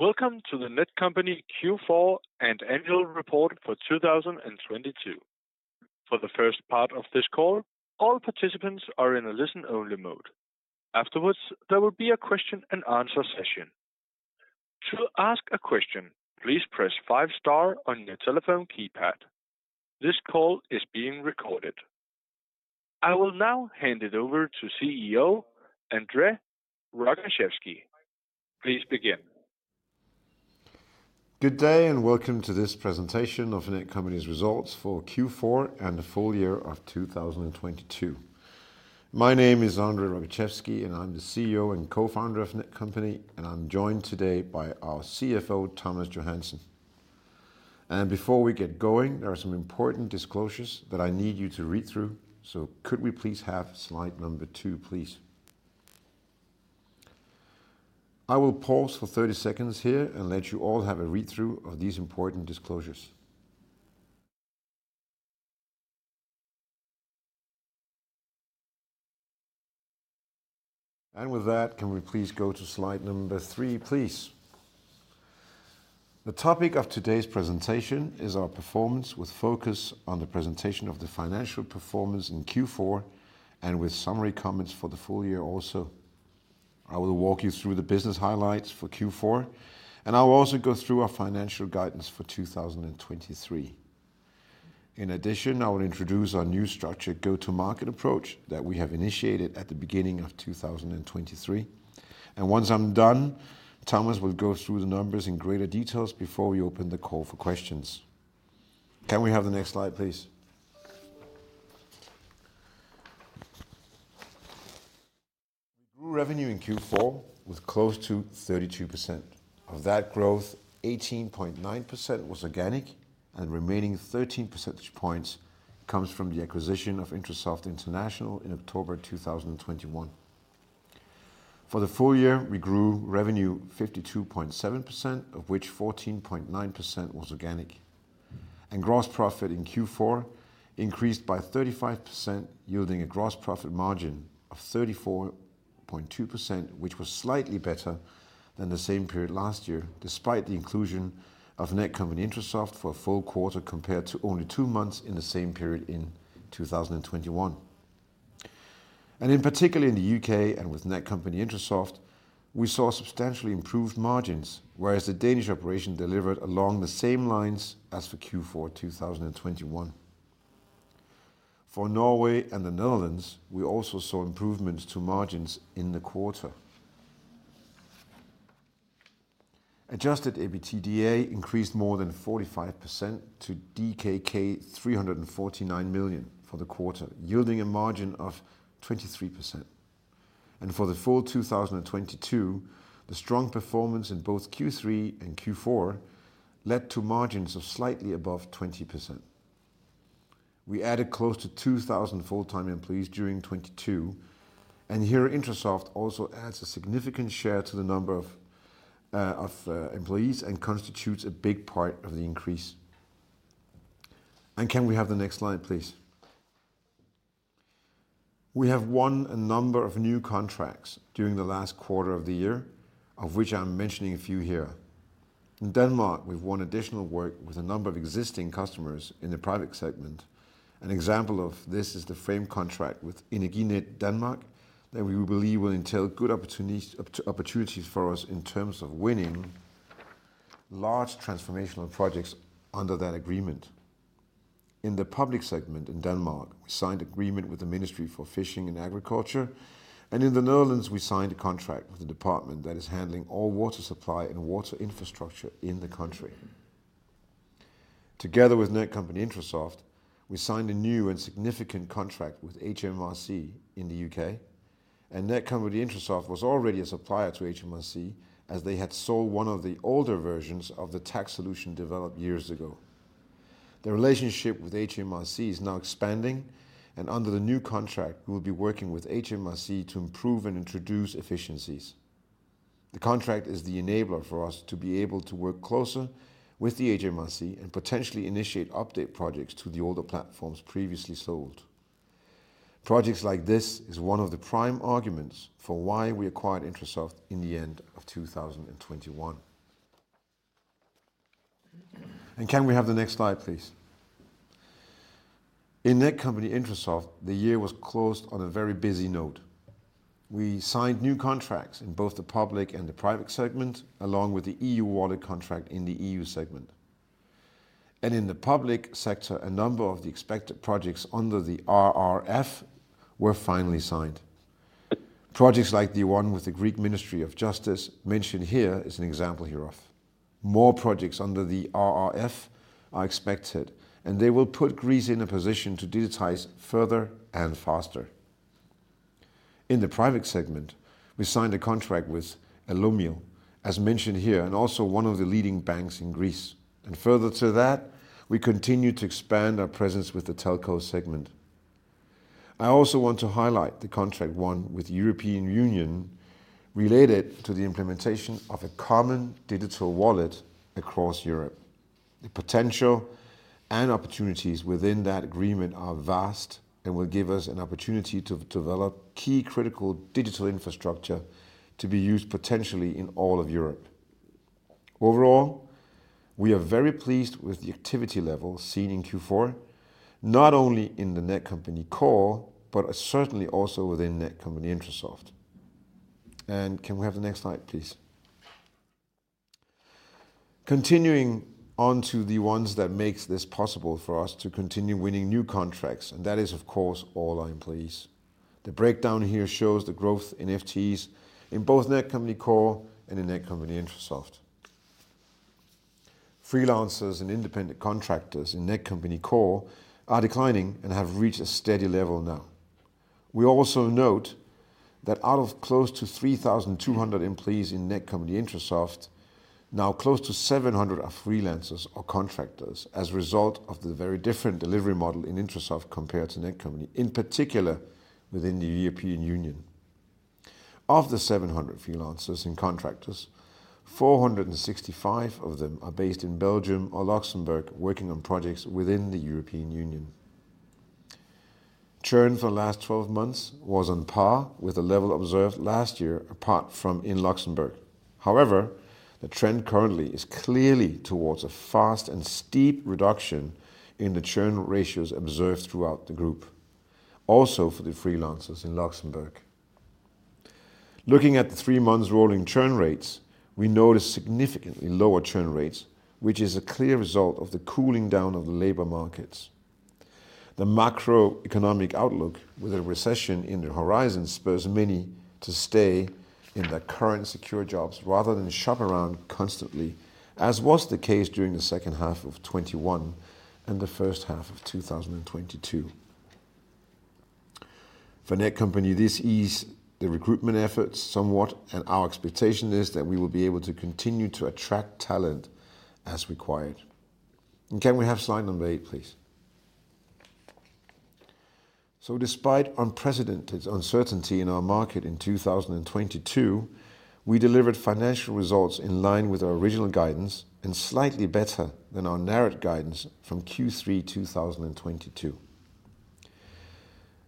Welcome to the Netcompany Q4 and annual report for 2022. For the first part of this call, all participants are in a listen-only mode. Afterwards, there will be a question and answer session. To ask a question, please press five star on your telephone keypad. This call is being recorded. I will now hand it over to CEO André Rogaczewski. Please begin. Good day, welcome to this presentation of Netcompany's results for Q4 and the full year of 2022. My name is André Rogaczewski, I'm the CEO and co-founder of Netcompany, I'm joined today by our CFO, Thomas Johansen. Before we get going, there are some important disclosures that I need you to read through. Could we please have slide number 2, please? I will pause for 30 seconds here and let you all have a read-through of these important disclosures. With that, can we please go to slide number 3, please? The topic of today's presentation is our performance with focus on the presentation of the financial performance in Q4 and with summary comments for the full year also. I will walk you through the business highlights for Q4. I will also go through our financial guidance for 2023. In addition, I will introduce our new structured go-to-market approach that we have initiated at the beginning of 2023. Once I'm done, Thomas will go through the numbers in greater details before we open the call for questions. Can we have the next slide, please? We grew revenue in Q4 with close to 32%. Of that growth, 18.9% was organic and remaining 13 percentage points comes from the acquisition of Intrasoft International in October 2021. For the full year, we grew revenue 52.7%, of which 14.9% was organic. Gross profit in Q4 increased by 35%, yielding a gross profit margin of 34.2%, which was slightly better than the same period last year, despite the inclusion of Netcompany-Intrasoft for a full quarter compared to only two months in the same period in 2021. In particular in the U.K. and with Netcompany-Intrasoft, we saw substantially improved margins, whereas the Danish operation delivered along the same lines as for Q4 2021. For Norway and the Netherlands, we also saw improvements to margins in the quarter. Adjusted EBITDA increased more than 45% to DKK 349 million for the quarter, yielding a margin of 23%. For the full 2022, the strong performance in both Q3 and Q4 led to margins of slightly above 20%. We added close to 2,000 full-time employees during 2022. Here Intrasoft also adds a significant share to the number of employees and constitutes a big part of the increase. Can we have the next slide, please? We have won a number of new contracts during the last quarter of the year, of which I'm mentioning a few here. In Denmark, we've won additional work with a number of existing customers in the private segment. An example of this is the frame contract with Energinet that we believe will entail good opportunities for us in terms of winning large transformational projects under that agreement. In the public segment in Denmark, we signed agreement with the Ministry of Food, Agriculture and Fisheries of Denmark. In the Netherlands we signed a contract with the department that is handling all water supply and water infrastructure in the country. Together with Netcompany-Intrasoft, we signed a new and significant contract with HMRC in the U.K., and Netcompany-Intrasoft was already a supplier to HMRC as they had sold one of the older versions of the tax solution developed years ago. The relationship with HMRC is now expanding, and under the new contract, we'll be working with HMRC to improve and introduce efficiencies. The contract is the enabler for us to be able to work closer with the HMRC and potentially initiate update projects to the older platforms previously sold. Projects like this is one of the prime arguments for why we acquired Intrasoft in the end of 2021. Can we have the next slide, please? In Netcompany-Intrasoft, the year was closed on a very busy note. We signed new contracts in both the public and the private segment, along with the EU Wallet contract in the EU segment. In the public sector, a number of the expected projects under the RRF were finally signed. Projects like the one with the Greek Ministry of Justice mentioned here is an example hereof. More projects under the RRF are expected, and they will put Greece in a position to digitize further and faster. In the private segment, we signed a contract with Illumio, as mentioned here, and also one of the leading banks in Greece. Further to that, we continue to expand our presence with the telco segment. I also want to highlight the contract won with European Union related to the implementation of a common digital wallet across Europe. The potential and opportunities within that agreement are vast and will give us an opportunity to develop key critical digital infrastructure to be used potentially in all of Europe. Overall, we are very pleased with the activity level seen in Q4, not only in the Netcompany Core, but certainly also within Netcompany-Intrasoft. Can we have the next slide, please? Continuing on to the ones that makes this possible for us to continue winning new contracts, and that is of course, all our employees. The breakdown here shows the growth in FTEs in both Netcompany Core and in Netcompany-Intrasoft. Freelancers and independent contractors in Netcompany Core are declining and have reached a steady level now. We also note that out of close to 3,200 employees in Netcompany-Intrasoft, now close to 700 are freelancers or contractors as a result of the very different delivery model in Intrasoft compared to Netcompany, in particular within the European Union. Of the 700 freelancers and contractors, 465 of them are based in Belgium or Luxembourg working on projects within the European Union. Churn for the last 12 months was on par with the level observed last year, apart from in Luxembourg. The trend currently is clearly towards a fast and steep reduction in the churn ratios observed throughout the group, also for the freelancers in Luxembourg. Looking at the three months rolling churn rates, we notice significantly lower churn rates, which is a clear result of the cooling down of the labor markets. The macroeconomic outlook with a recession in the horizon spurs many to stay in their current secure jobs rather than shop around constantly, as was the case during the second half of 2021 and the first half of 2022. For Netcompany, this ease the recruitment efforts somewhat, and our expectation is that we will be able to continue to attract talent as required. Can we have slide number 8, please? Despite unprecedented uncertainty in our market in 2022, we delivered financial results in line with our original guidance and slightly better than our narrowed guidance from Q3 2022.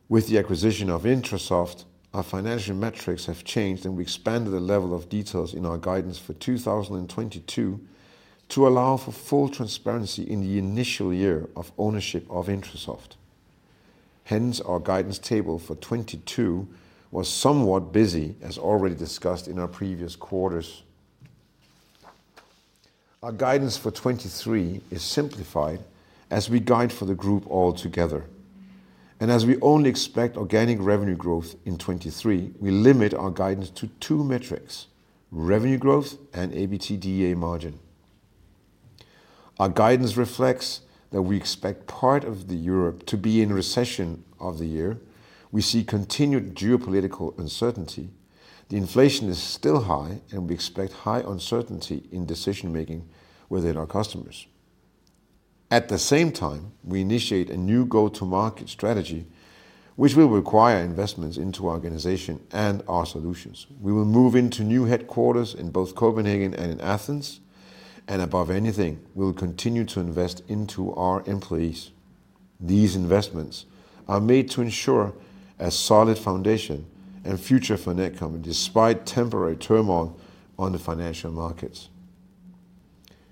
With the acquisition of Intrasoft, our financial metrics have changed and we expanded the level of details in our guidance for 2022 to allow for full transparency in the initial year of ownership of Intrasoft. Our guidance table for 2022 was somewhat busy, as already discussed in our previous quarters. Our guidance for 2023 is simplified as we guide for the group altogether. As we only expect organic revenue growth in 2023, we limit our guidance to two metrics: revenue growth and EBITDA margin. Our guidance reflects that we expect part of Europe to be in recession of the year. We see continued geopolitical uncertainty. The inflation is still high, and we expect high uncertainty in decision-making within our customers. At the same time, we initiate a new go-to-market strategy which will require investments into our organization and our solutions. We will move into new headquarters in both Copenhagen and in Athens, and above anything, we'll continue to invest into our employees. These investments are made to ensure a solid foundation and future for Netcompany despite temporary turmoil on the financial markets.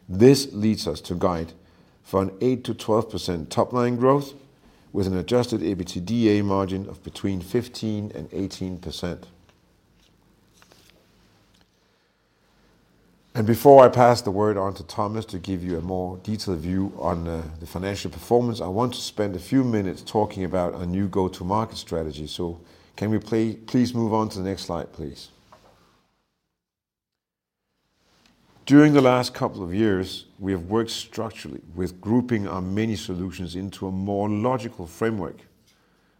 This leads us to guide for an 8%-12% top-line growth with an adjusted EBITDA margin of between 15% and 18%. Before I pass the word on to Thomas to give you a more detailed view on the financial performance, I want to spend a few minutes talking about our new go-to-market strategy. Can we please move on to the next slide, please. During the last couple of years, we have worked structurally with grouping our many solutions into a more logical framework,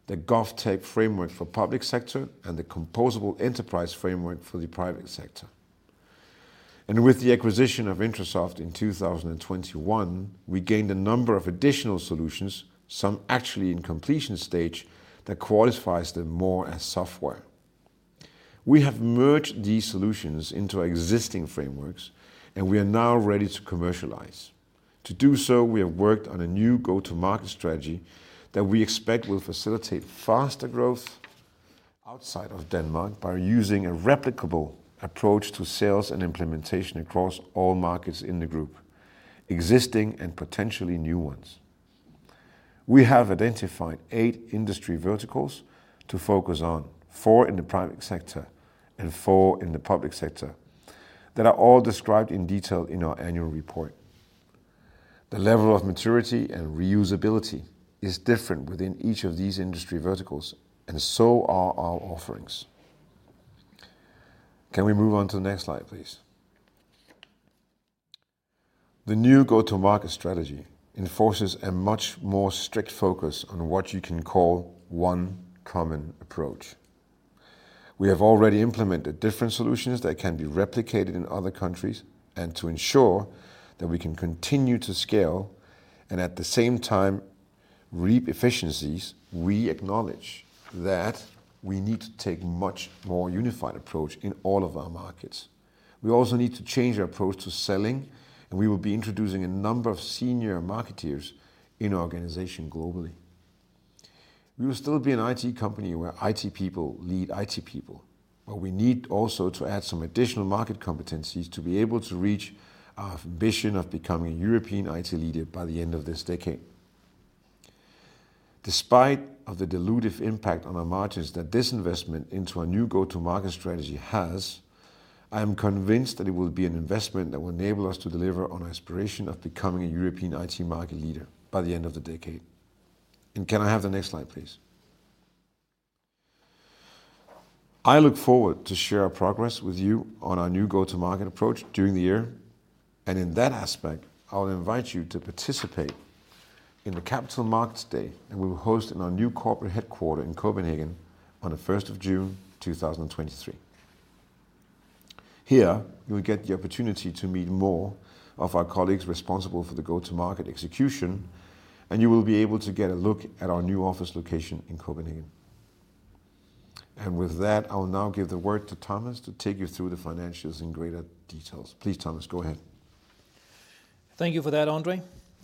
the GovTech Framework for public sector and the Composable Enterprise Framework for the private sector. With the acquisition of Intrasoft in 2021, we gained a number of additional solutions, some actually in completion stage, that qualifies them more as software. We have merged these solutions into our existing frameworks, and we are now ready to commercialize. To do so, we have worked on a new go-to-market strategy that we expect will facilitate faster growth outside of Denmark by using a replicable approach to sales and implementation across all markets in the group, existing and potentially new ones. We have identified eight industry verticals to focus on, four in the private sector and four in the public sector, that are all described in detail in our annual report. The level of maturity and reusability is different within each of these industry verticals, and so are our offerings. Can we move on to the next slide, please? The new go-to-market strategy enforces a much more strict focus on what you can call one common approach. We have already implemented different solutions that can be replicated in other countries and to ensure that we can continue to scale and at the same time-reap efficiencies, we acknowledge that we need to take much more unified approach in all of our markets. We also need to change our approach to selling, and we will be introducing a number of senior marketeers in our organization globally. We will still be an IT company where IT people lead IT people, but we need also to add some additional market competencies to be able to reach our vision of becoming a European IT leader by the end of this decade. Despite of the dilutive impact on our margins that this investment into our new go-to-market strategy has, I am convinced that it will be an investment that will enable us to deliver on our aspiration of becoming a European IT market leader by the end of the decade. Can I have the next slide, please? I look forward to share our progress with you on our new go-to-market approach during the year. In that aspect, I'll invite you to participate in the Capital Markets Day that we will host in our new corporate headquarter in Copenhagen on the first of June, 2023. Here, you will get the opportunity to meet more of our colleagues responsible for the go-to-market execution, and you will be able to get a look at our new office location in Copenhagen. With that, I will now give the word to Thomas to take you through the financials in greater details. Please, Thomas, go ahead. Thank you for that,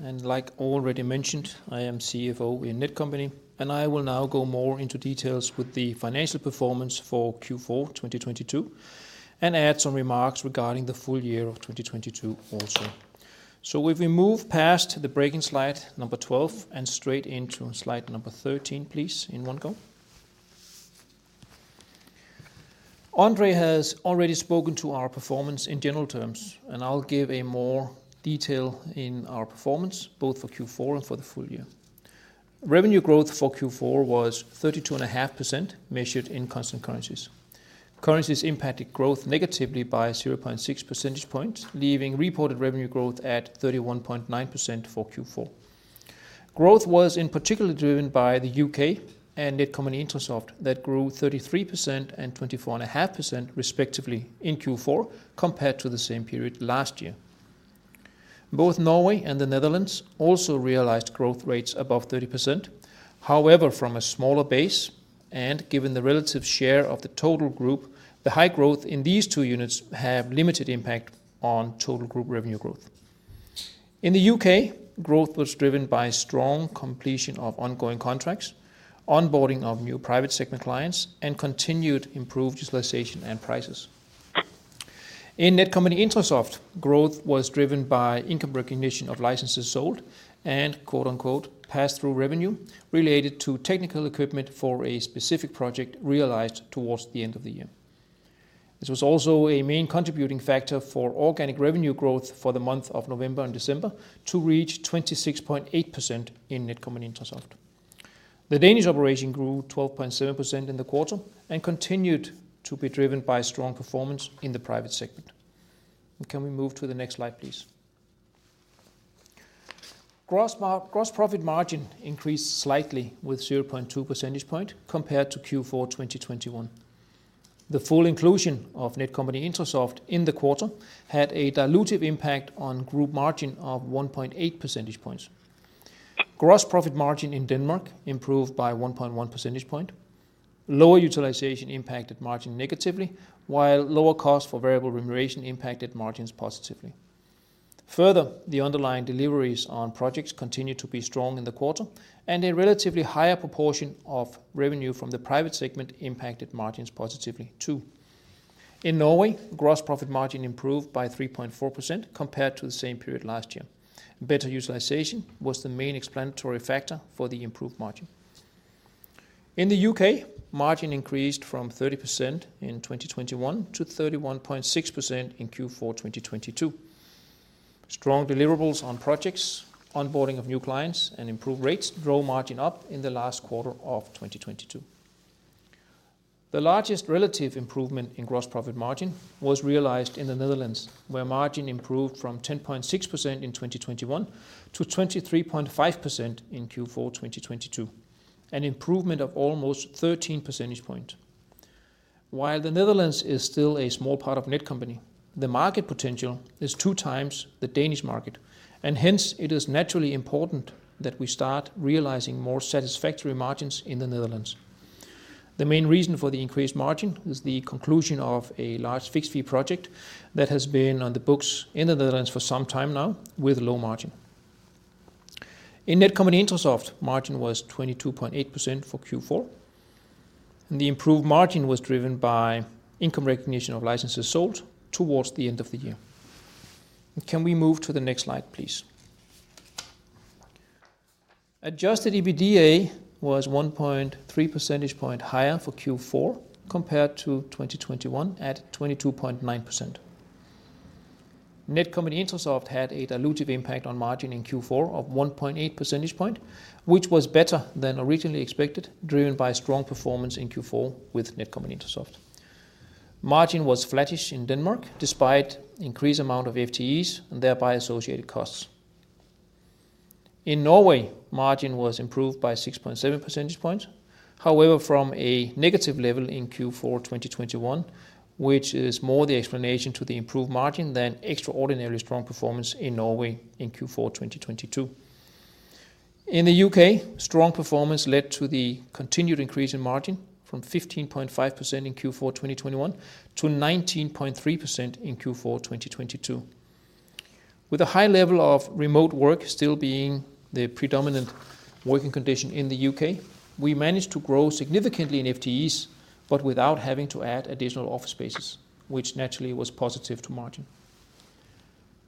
André. Like already mentioned, I am CFO in Netcompany, and I will now go more into details with the financial performance for Q4 2022 and add some remarks regarding the full year of 2022 also. If we move past the breaking slide number 12 and straight into slide number 13, please, in one go. André has already spoken to our performance in general terms, and I'll give a more detail in our performance, both for Q4 and for the full year. Revenue growth for Q4 was 32.5% measured in constant currencies. Currencies impacted growth negatively by 0.6 percentage points, leaving reported revenue growth at 31.9% for Q4. Growth was in particular driven by the U.K. and Netcompany-Intrasoft that grew 33% and 24.5% respectively in Q4 compared to the same period last year. Both Norway and the Netherlands also realized growth rates above 30%. However, from a smaller base, and given the relative share of the total group, the high growth in these two units have limited impact on total group revenue growth. In the U.K., growth was driven by strong completion of ongoing contracts, onboarding of new private segment clients, and continued improved utilization and prices. In Netcompany-Intrasoft, growth was driven by income recognition of licenses sold and, quote, unquote, "pass-through revenue related to technical equipment for a specific project realized towards the end of the year." This was also a main contributing factor for organic revenue growth for the month of November and December to reach 26.8% in Netcompany-Intrasoft. The Danish operation grew 12.7% in the quarter and continued to be driven by strong performance in the private segment. Can we move to the next slide, please? Gross profit margin increased slightly with 0.2 percentage point compared to Q4 2021. The full inclusion of Netcompany-Intrasoft in the quarter had a dilutive impact on group margin of 1.8 percentage points. Gross profit margin in Denmark improved by 1.1 percentage point. Lower utilization impacted margin negatively, while lower cost for variable remuneration impacted margins positively. Further, the underlying deliveries on projects continued to be strong in the quarter, and a relatively higher proportion of revenue from the private segment impacted margins positively too. In Norway, gross profit margin improved by 3.4% compared to the same period last year. Better utilization was the main explanatory factor for the improved margin. In the U.K., margin increased from 30% in 2021 to 31.6% in Q4 2022. Strong deliverables on projects, onboarding of new clients, and improved rates drove margin up in the last quarter of 2022. The largest relative improvement in gross profit margin was realized in the Netherlands, where margin improved from 10.6% in 2021 to 23.5% in Q4 2022, an improvement of almost 13 percentage point. While the Netherlands is still a small part of Netcompany, the market potential is two times the Danish market, hence it is naturally important that we start realizing more satisfactory margins in the Netherlands. The main reason for the increased margin is the conclusion of a large fixed-fee project that has been on the books in the Netherlands for some time now with low margin. In Netcompany-Intrasoft, margin was 22.8% for Q4. The improved margin was driven by income recognition of licenses sold towards the end of the year. Can we move to the next slide, please? Adjusted EBITDA was 1.3 percentage point higher for Q4 compared to 2021 at 22.9%. Netcompany-Intrasoft had a dilutive impact on margin in Q4 of 1.8 percentage point, which was better than originally expected, driven by strong performance in Q4 with Netcompany-Intrasoft. Margin was flattish in Denmark despite increased amount of FTEs and thereby associated costs. In Norway, margin was improved by 6.7 percentage points. From a negative level in Q4 2021, which is more the explanation to the improved margin than extraordinary strong performance in Norway in Q4 2022. In the U.K., strong performance led to the continued increase in margin from 15.5% in Q4 2021 to 19.3% in Q4 2022. With a high level of remote work still being the predominant working condition in the U.K., we managed to grow significantly in FTEs, but without having to add additional office spaces, which naturally was positive to margin.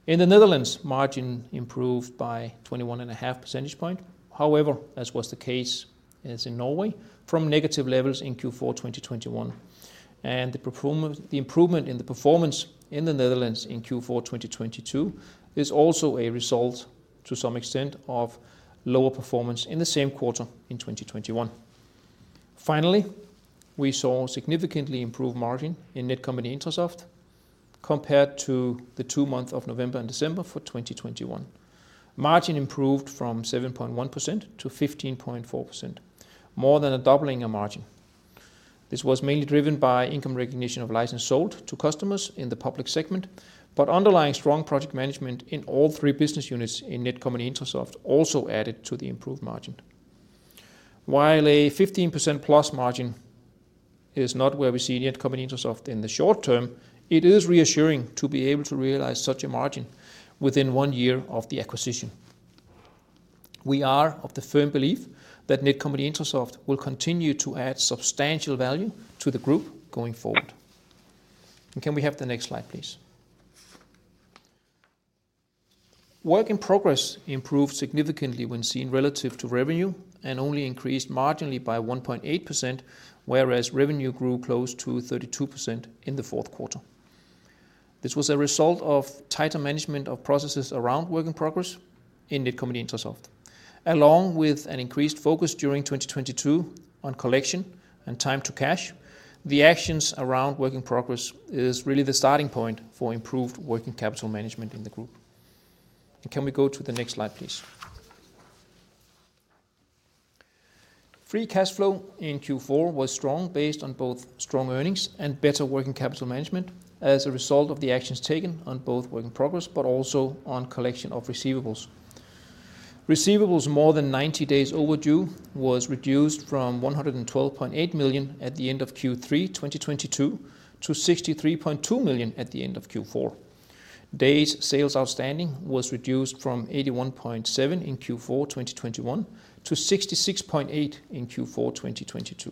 In the Netherlands, margin improved by 21.5 percentage points. However, as was the case as in Norway, from negative levels in Q4 2021. The improvement in the performance in the Netherlands in Q4 2022 is also a result to some extent of lower performance in the same quarter in 2021. Finally, we saw significantly improved margin in Netcompany-Intrasoft compared to the two months of November and December for 2021. Margin improved from 7.1% to 15.4%, more than a doubling of margin. This was mainly driven by income recognition of license sold to customers in the public segment, underlying strong project management in all three business units in Netcompany-Intrasoft also added to the improved margin. While a 15%+ margin is not where we see Netcompany-Intrasoft in the short term, it is reassuring to be able to realize such a margin within one year of the acquisition. We are of the firm belief that Netcompany-Intrasoft will continue to add substantial value to the group going forward. Can we have the next slide, please? Work in progress improved significantly when seen relative to revenue and only increased marginally by 1.8%, whereas revenue grew close to 32% in the fourth quarter. This was a result of tighter management of processes around work in progress in Netcompany-Intrasoft. Along with an increased focus during 2022 on collection and time to cash, the actions around work in progress is really the starting point for improved working capital management in the group. Can we go to the next slide, please? Free cash flow in Q4 was strong based on both strong earnings and better working capital management as a result of the actions taken on both work in progress, but also on collection of receivables. Receivables more than 90 days overdue was reduced from 112.8 million at the end of Q3 2022 to 63.2 million at the end of Q4. Days sales outstanding was reduced from 81.7 in Q4 2021 to 66.8 in Q4 2022.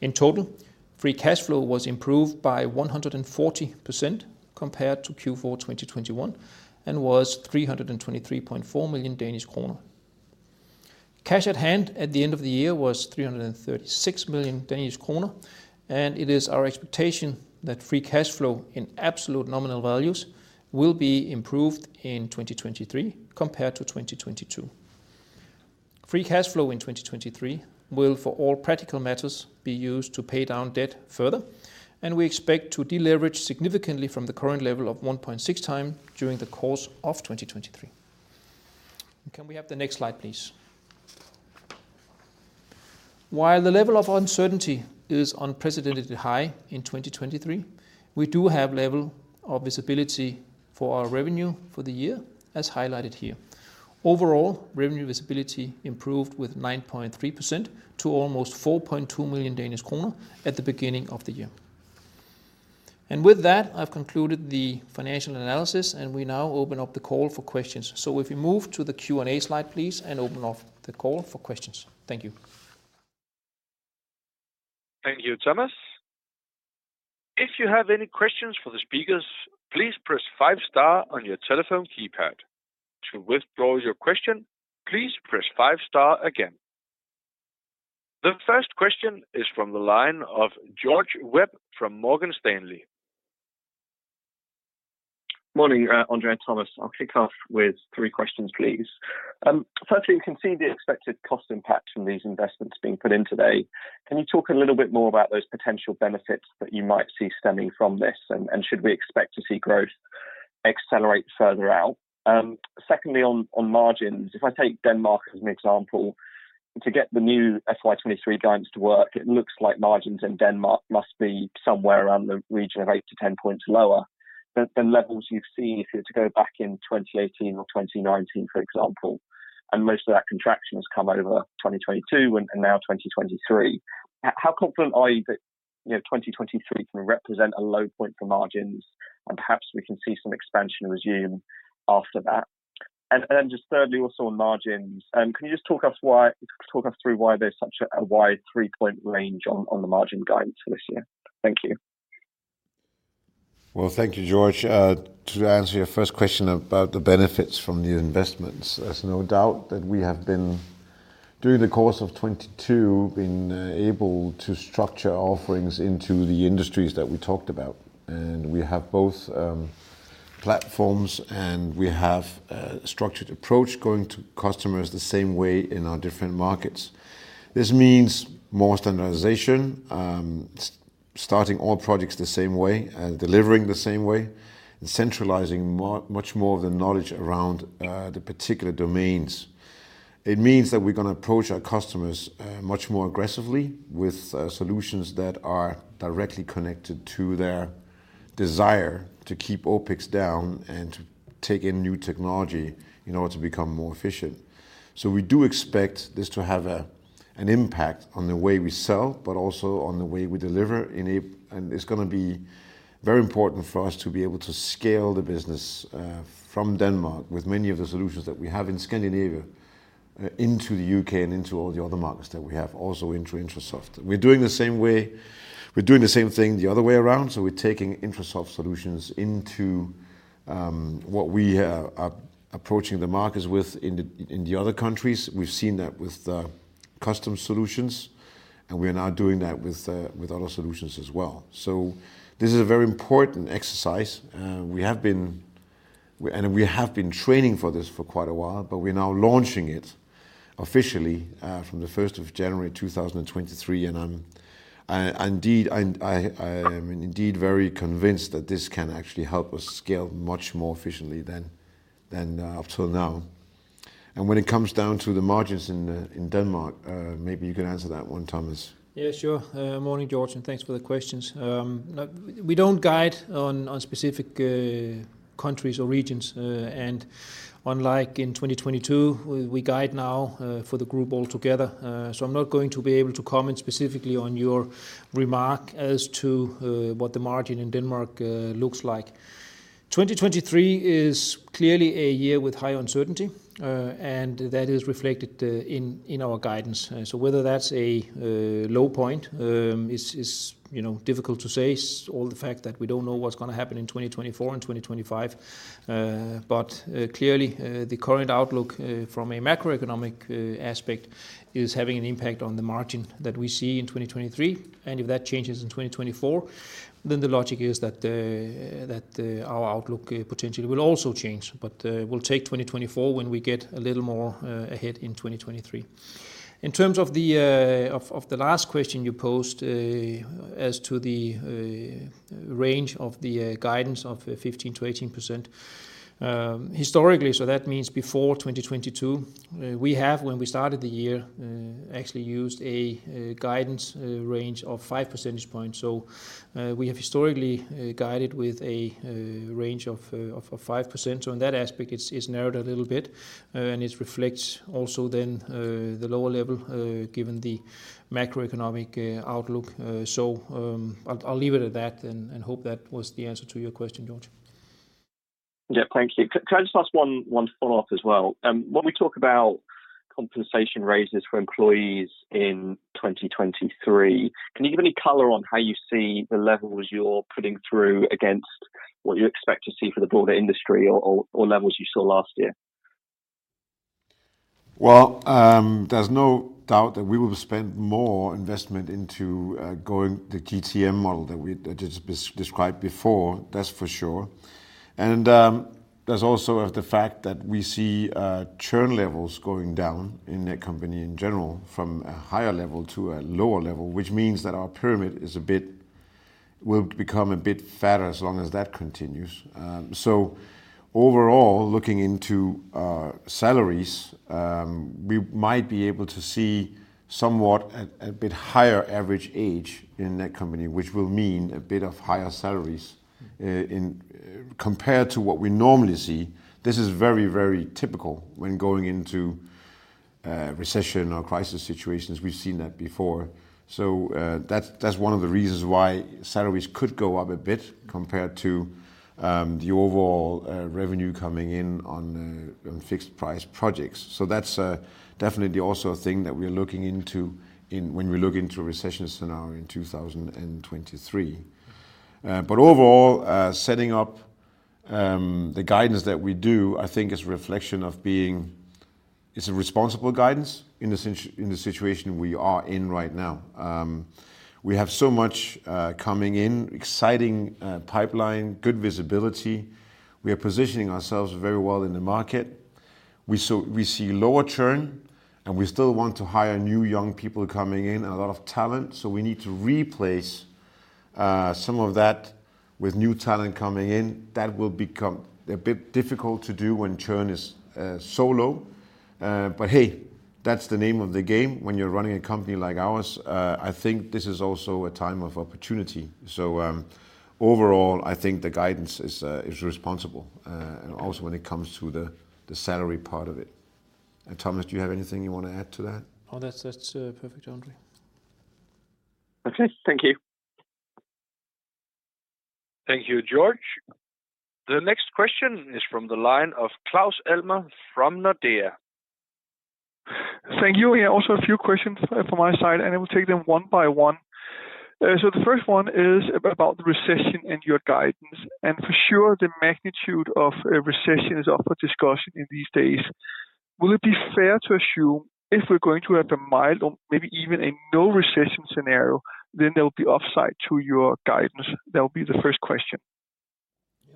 In total, free cash flow was improved by 140% compared to Q4 2021 and was 323.4 million Danish kroner. Cash at hand at the end of the year was 336 million Danish kroner. It is our expectation that free cash flow in absolute nominal values will be improved in 2023 compared to 2022. Free cash flow in 2023 will for all practical matters be used to pay down debt further, and we expect to deleverage significantly from the current level of 1.6x during the course of 2023. Can we have the next slide, please? While the level of uncertainty is unprecedentedly high in 2023, we do have level of visibility for our revenue for the year, as highlighted here. Overall, revenue visibility improved with 9.3% to almost 4.2 million Danish kroner at the beginning of the year. With that, I've concluded the financial analysis, and we now open up the call for questions. If we move to the Q&A slide, please, and open up the call for questions. Thank you. Thank you, Thomas. If you have any questions for the speakers, please press star on your telephone keypad. To withdraw your question, please press star again. The first question is from the line of George Webb from Morgan Stanley. Morning, André and Thomas. I'll kick off with three questions, please. Firstly, we can see the expected cost impact from these investments being put in today. Can you talk a little bit more about those potential benefits that you might see stemming from this? Should we expect to see growth accelerate further out? Secondly, on margins, if I take Denmark as an example, to get the new FY 2023 guidance to work, it looks like margins in Denmark must be somewhere around the region of 8-10 points lower than levels you've seen if you were to go back in 2018 or 2019, for example. Most of that contraction has come over 2022 and now 2023. How confident are you that, you know, 2023 can represent a low point for margins, and perhaps we can see some expansion resume after that? Then just thirdly, also on margins, can you just talk us through why there's such a wide three-point range on the margin guidance for this year? Thank you. Well, thank you, George. To answer your first question about the benefits from new investments, there's no doubt that we have been, during the course of 2022, been able to structure offerings into the industries that we talked about. We have both platforms, and we have a structured approach going to customers the same way in our different markets. This means more standardization. Starting all projects the same way and delivering the same way and centralizing more, much more of the knowledge around the particular domains. It means that we're gonna approach our customers much more aggressively with solutions that are directly connected to their desire to keep OpEx down and to take in new technology in order to become more efficient. We do expect this to have an impact on the way we sell, but also on the way we deliver. It's gonna be very important for us to be able to scale the business from Denmark with many of the solutions that we have in Scandinavia into the U.K. and into all the other markets that we have also into Intrasoft. We're doing the same thing the other way around, so we're taking Intrasoft solutions into what we are approaching the markets with in the other countries. We've seen that with custom solutions, and we are now doing that with other solutions as well. This is a very important exercise. We have been training for this for quite a while, but we're now launching it officially from the 1st of January 2023. I am indeed very convinced that this can actually help us scale much more efficiently than up till now. When it comes down to the margins in Denmark, maybe you can answer that one, Thomas. Yeah, sure. Morning, George, thanks for the questions. No, we don't guide on specific countries or regions. Unlike in 2022, we guide now for the group altogether. I'm not going to be able to comment specifically on your remark as to what the margin in Denmark looks like. 2023 is clearly a year with high uncertainty, and that is reflected in our guidance. Whether that's a low point, is, you know, difficult to say. All the fact that we don't know what's gonna happen in 2024 and 2025. Clearly, the current outlook from a macroeconomic aspect is having an impact on the margin that we see in 2023. If that changes in 2024, then the logic is that our outlook potentially will also change. We'll take 2024 when we get a little more ahead in 2023. In terms of the last question you posed, as to the range of the guidance of 15%-18%. Historically, so that means before 2022, we have, when we started the year, actually used a guidance range of fivepercentage points. We have historically guided with a range of a 5%. In that aspect, it's narrowed a little bit and it reflects also then the lower level given the macroeconomic outlook. I'll leave it at that and hope that was the answer to your question, George. Yeah. Thank you. Can I just ask one follow-up as well? When we talk about compensation raises for employees in 2023, can you give any color on how you see the levels you're putting through against what you expect to see for the broader industry or levels you saw last year? Well, there's no doubt that we will spend more investment into going the GTM model that we that is described before, that's for sure. There's also of the fact that we see churn levels going down in Netcompany in general from a higher level to a lower level, which means that our pyramid is a bit will become a bit fatter as long as that continues. Overall, looking into salaries, we might be able to see somewhat a bit higher average age in Netcompany, which will mean a bit of higher salaries in Compared to what we normally see, this is very, very typical when going into recession or crisis situations. We've seen that before. That's one of the reasons why salaries could go up a bit compared to the overall revenue coming in on fixed price projects. That's definitely also a thing that we're looking into when we look into a recession scenario in 2023. Overall, setting up the guidance that we do, I think is a reflection of being... It's a responsible guidance in the situation we are in right now. We have so much coming in, exciting pipeline, good visibility. We are positioning ourselves very well in the market. We see lower churn, and we still want to hire new young people coming in and a lot of talent, so we need to replace some of that with new talent coming in. That will become a bit difficult to do when churn is so low. Hey, that's the name of the game when you're running a company like ours. I think this is also a time of opportunity. Overall, I think the guidance is is responsible and also when it comes to the salary part of it. Thomas, do you have anything you wanna add to that? Oh, that's perfect, André. Okay. Thank you. Thank you, George. The next question is from the line of Claus Almer from Nordea. Thank you. Yeah, also a few questions from my side, and I will take them one by one. The first one is about the recession and your guidance. For sure, the magnitude of a recession is up for discussion in these days. Will it be fair to assume if we're going to have a mild or maybe even a no recession scenario, then there'll be offside to your guidance? That'll be the first question.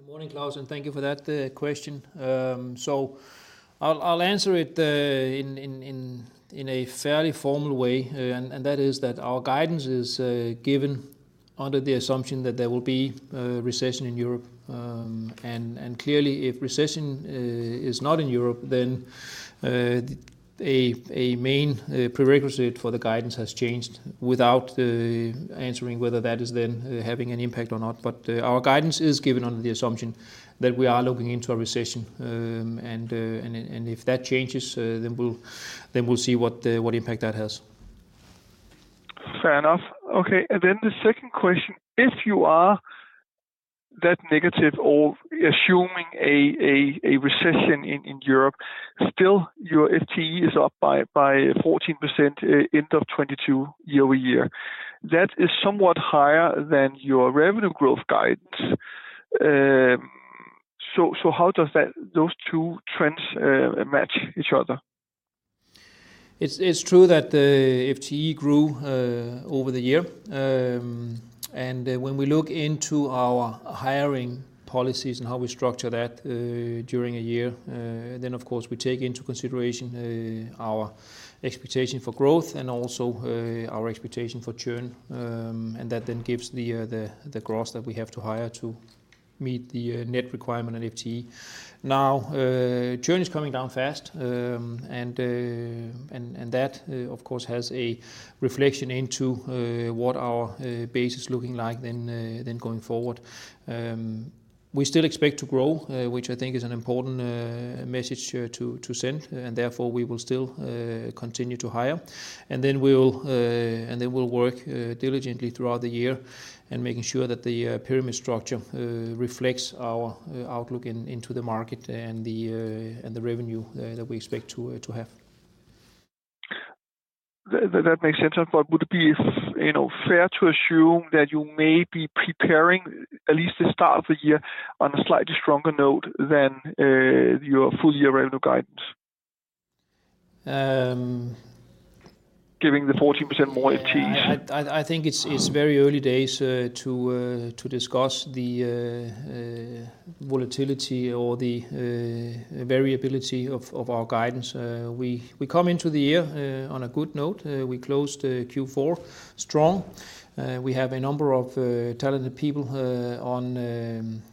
Morning, Claus, thank you for that question. I'll answer it in a fairly formal way. That is that our guidance is given under the assumption that there will be a recession in Europe. Clearly if recession is not in Europe, a main prerequisite for the guidance has changed without answering whether that is having an impact or not. Our guidance is given under the assumption that we are looking into a recession. If that changes, then we'll see what impact that has. Fair enough. Okay. The second question. If you are that negative or assuming a recession in Europe, still your FTE is up by 14% end of 2022 year-over-year. That is somewhat higher than your revenue growth guidance. How does that, those two trends match each other? It's true that the FTE grew over the year. When we look into our hiring policies and how we structure that during a year, then of course we take into consideration our expectation for growth and also our expectation for churn. That then gives the growth that we have to hire to meet the net requirement in FTE. Now, churn is coming down fast, and that of course has a reflection into what our base is looking like then going forward. We still expect to grow, which I think is an important message to send, and therefore we will still continue to hire. Then we'll work diligently throughout the year in making sure that the pyramid structure reflects our outlook in, into the market and the revenue that we expect to have. That makes sense. Would it be, you know, fair to assume that you may be preparing at least the start of the year on a slightly stronger note than your full-year revenue guidance? Giving the 14% more FTE. I think it's very early days to discuss the volatility or the variability of our guidance. We come into the year on a good note. We closed Q4 strong. We have a number of talented people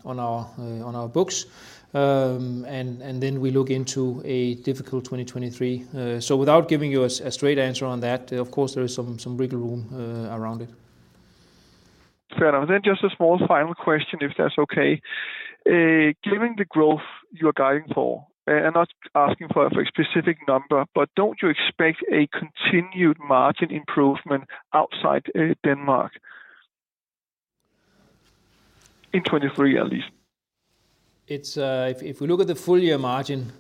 on our books. We look into a difficult 2023. Without giving you a straight answer on that, of course there is some wriggle room around it. Fair enough. Just a small final question, if that's okay. Given the growth you're guiding for, I'm not asking for a specific number, but don't you expect a continued margin improvement outside Denmark in 2023 at least? It's if we look at the full-year margin,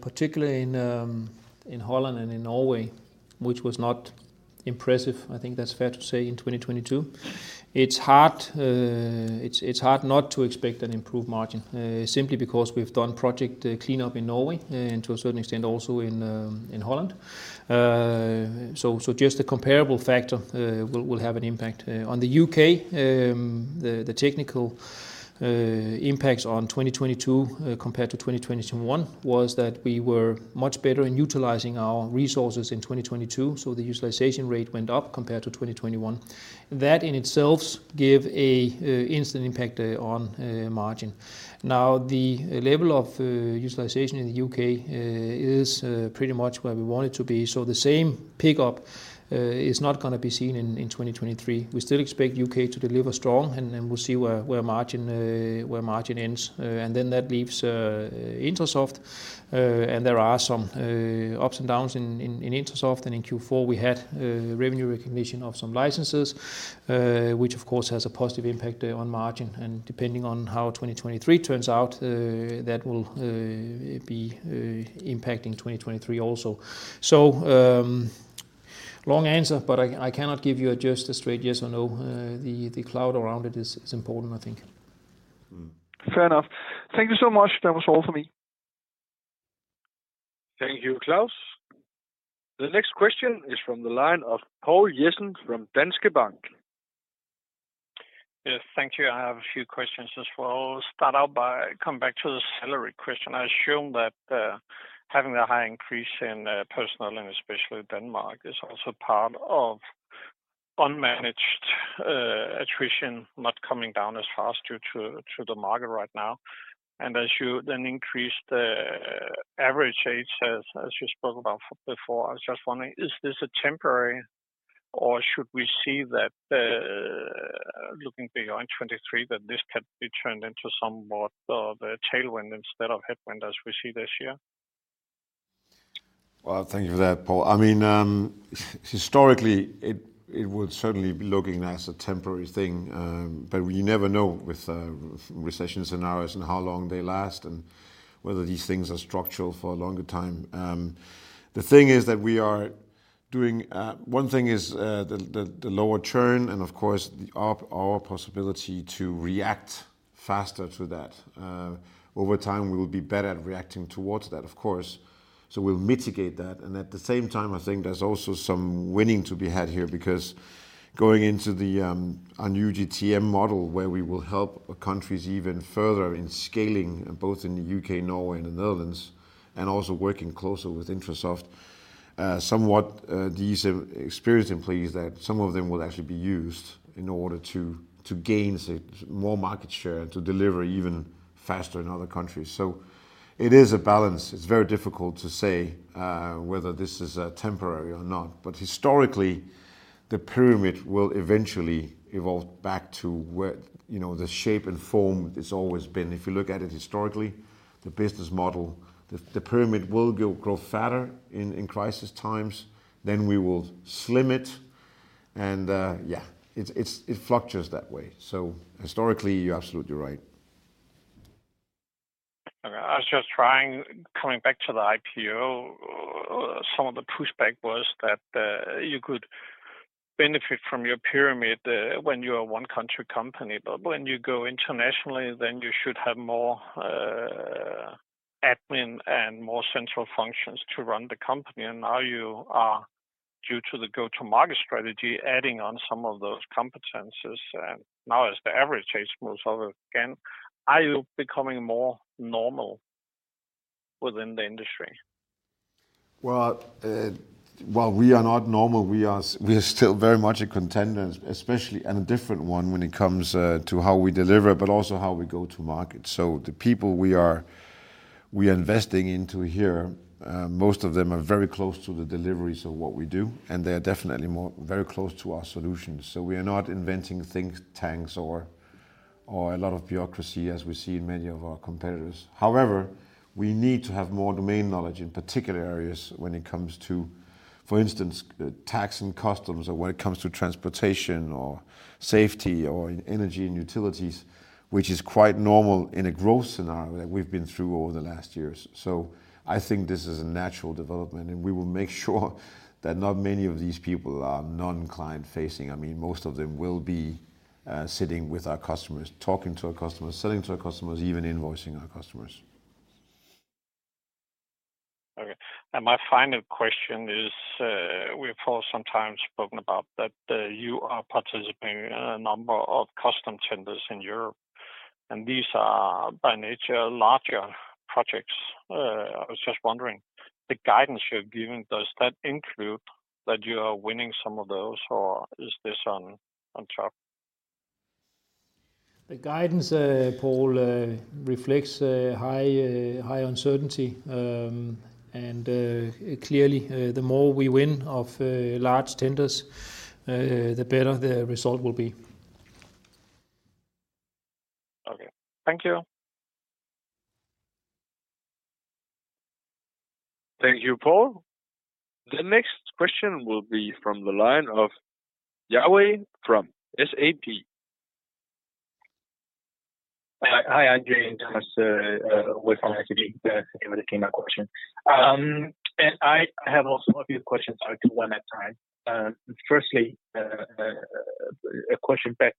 particularly in Holland and in Norway, which was not impressive, I think that's fair to say in 2022. It's hard not to expect an improved margin, simply because we've done project cleanup in Norway, and to a certain extent also in Holland. Just the comparable factor will have an impact. On the U.K., the technical impacts on 2022 compared to 2021 was that we were much better in utilizing our resources in 2022. The utilization rate went up compared to 2021. That in itself give a instant impact on margin. The level of utilization in the U.K. is pretty much where we want it to be. The same pickup is not going to be seen in 2023. We still expect U.K. to deliver strong, and then we'll see where margin ends. That leaves Intrasoft. There are some ups and downs in Intrasoft. In Q4 we had revenue recognition of some licenses, which of course has a positive impact on margin. Depending on how 2023 turns out, that will be impacting 2023 also. Long answer, but I cannot give you a just a straight yes or no. The cloud around it is important I think. Fair enough. Thank you so much. That was all for me. Thank you, Claus. The next question is from the line of Poul Jessen from Danske Bank. Yes, thank you. I have a few questions as well. Start out by coming back to the salary question. I assume that, having a high increase in personnel and especially Denmark is also part of unmanaged, attrition not coming down as fast due to the market right now. As you then increase the average age as you spoke about before, I was just wondering, is this a temporary or should we see that, looking beyond 2023, that this can be turned into somewhat of a tailwind instead of headwind as we see this year? Well, thank you for that, Poul. I mean, historically, it would certainly be looking as a temporary thing. We never know with recession scenarios and how long they last and whether these things are structural for a longer time. The thing is that we are. Doing one thing is the lower churn and of course our possibility to react faster to that. Over time we will be better at reacting towards that, of course. We'll mitigate that, and at the same time I think there's also some winning to be had here. Going into the our new GTM model where we will help countries even further in scaling, both in the U.K., Norway, and the Netherlands, and also working closer with Intrasoft, somewhat these experienced employees that some of them will actually be used in order to gain more market share to deliver even faster in other countries. It is a balance. It's very difficult to say whether this is temporary or not. Historically, the pyramid will eventually evolve back to what, you know, the shape and form it's always been. You look at it historically, the business model, the pyramid will grow fatter in crisis times, then we will slim it and, yeah. It fluctuates that way. Historically, you're absolutely right. Okay. I was just trying. Coming back to the IPO, some of the pushback was that you could benefit from your pyramid when you're a one country company. When you go internationally, then you should have more admin and more central functions to run the company. Now you are, due to the go-to-market strategy, adding on some of those competencies. Now as the average age moves over again, are you becoming more normal within the industry? Well, we are not normal. We are still very much a contender especially, and a different one when it comes to how we deliver, but also how we go to market. The people we are, we are investing into here, most of them are very close to the deliveries of what we do, and they're definitely more very close to our solutions. We are not inventing think tanks or a lot of bureaucracy as we see in many of our competitors. However, we need to have more domain knowledge in particular areas when it comes to, for instance, tax and customs or when it comes to transportation or safety or in energy and utilities, which is quite normal in a growth scenario that we've been through over the last years. I think this is a natural development, and we will make sure that not many of these people are non-client facing. I mean, most of them will be sitting with our customers, talking to our customers, selling to our customers, even invoicing our customers. Okay. My final question is, we have for some time spoken about that, you are participating in a number of custom tenders in Europe. These are by nature larger projects. I was just wondering, the guidance you're giving, does that include that you are winning some of those, or is this on top? The guidance, Poul, reflects a high uncertainty. Clearly, the more we win of large tenders, the better the result will be. Okay. Thank you. Thank you, Poul. The next question will be from the line of Yiwei from SEB. Hi, André and Thomas. With SEB. Thank you for taking my question. I have also a few questions. I'll do one at a time. Firstly, a question back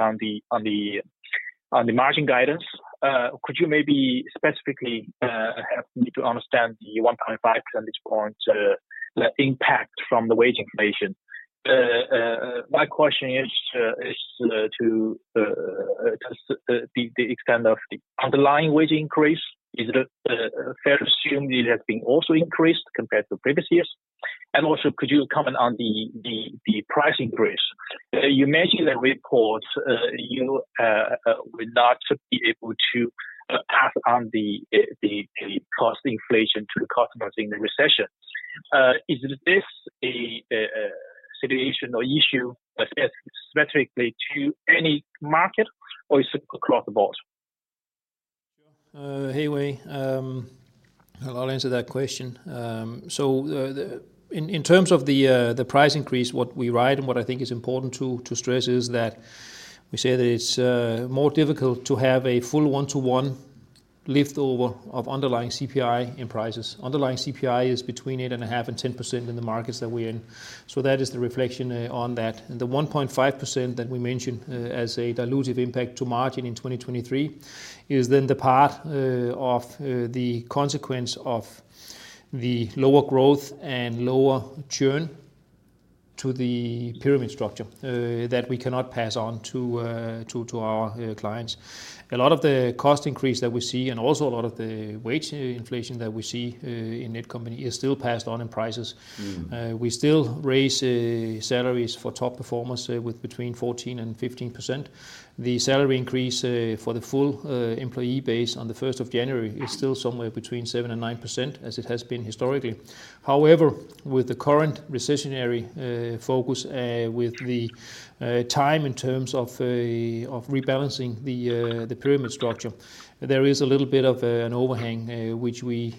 on the margin guidance. Could you maybe specifically help me to understand the 1.5 percentage point impact from the wage inflation? My question is to, does the extent of the underlying wage increase, is it fair to assume it has been also increased compared to previous years? Also could you comment on the price increase? You mentioned in the reports, you will not be able to pass on the cost inflation to the customers in the recession. Is this a situation or issue specifically to any market or is it across the board? Sure. Yiwei, I'll answer that question. In terms of the price increase, what we write and what I think is important to stress is that we say that it's more difficult to have a full 1-to-1 lift over of underlying CPI in prices. Underlying CPI is between 8.5% and 10% in the markets that we're in. That is the reflection on that. The 1.5% that we mentioned as a dilutive impact to margin in 2023 is then the part of the consequence of the lower growth and lower churn to the pyramid structure that we cannot pass on to our clients. A lot of the cost increase that we see and also a lot of the wage inflation that we see, in Netcompany is still passed on in prices. We still raise salaries for top performers with between 14%-15%. The salary increase for the full employee base on the 1st of January is still somewhere between 7%-9%, as it has been historically. However, with the current recessionary focus, with the time in terms of of rebalancing the pyramid structure, there is a little bit of an overhang, which we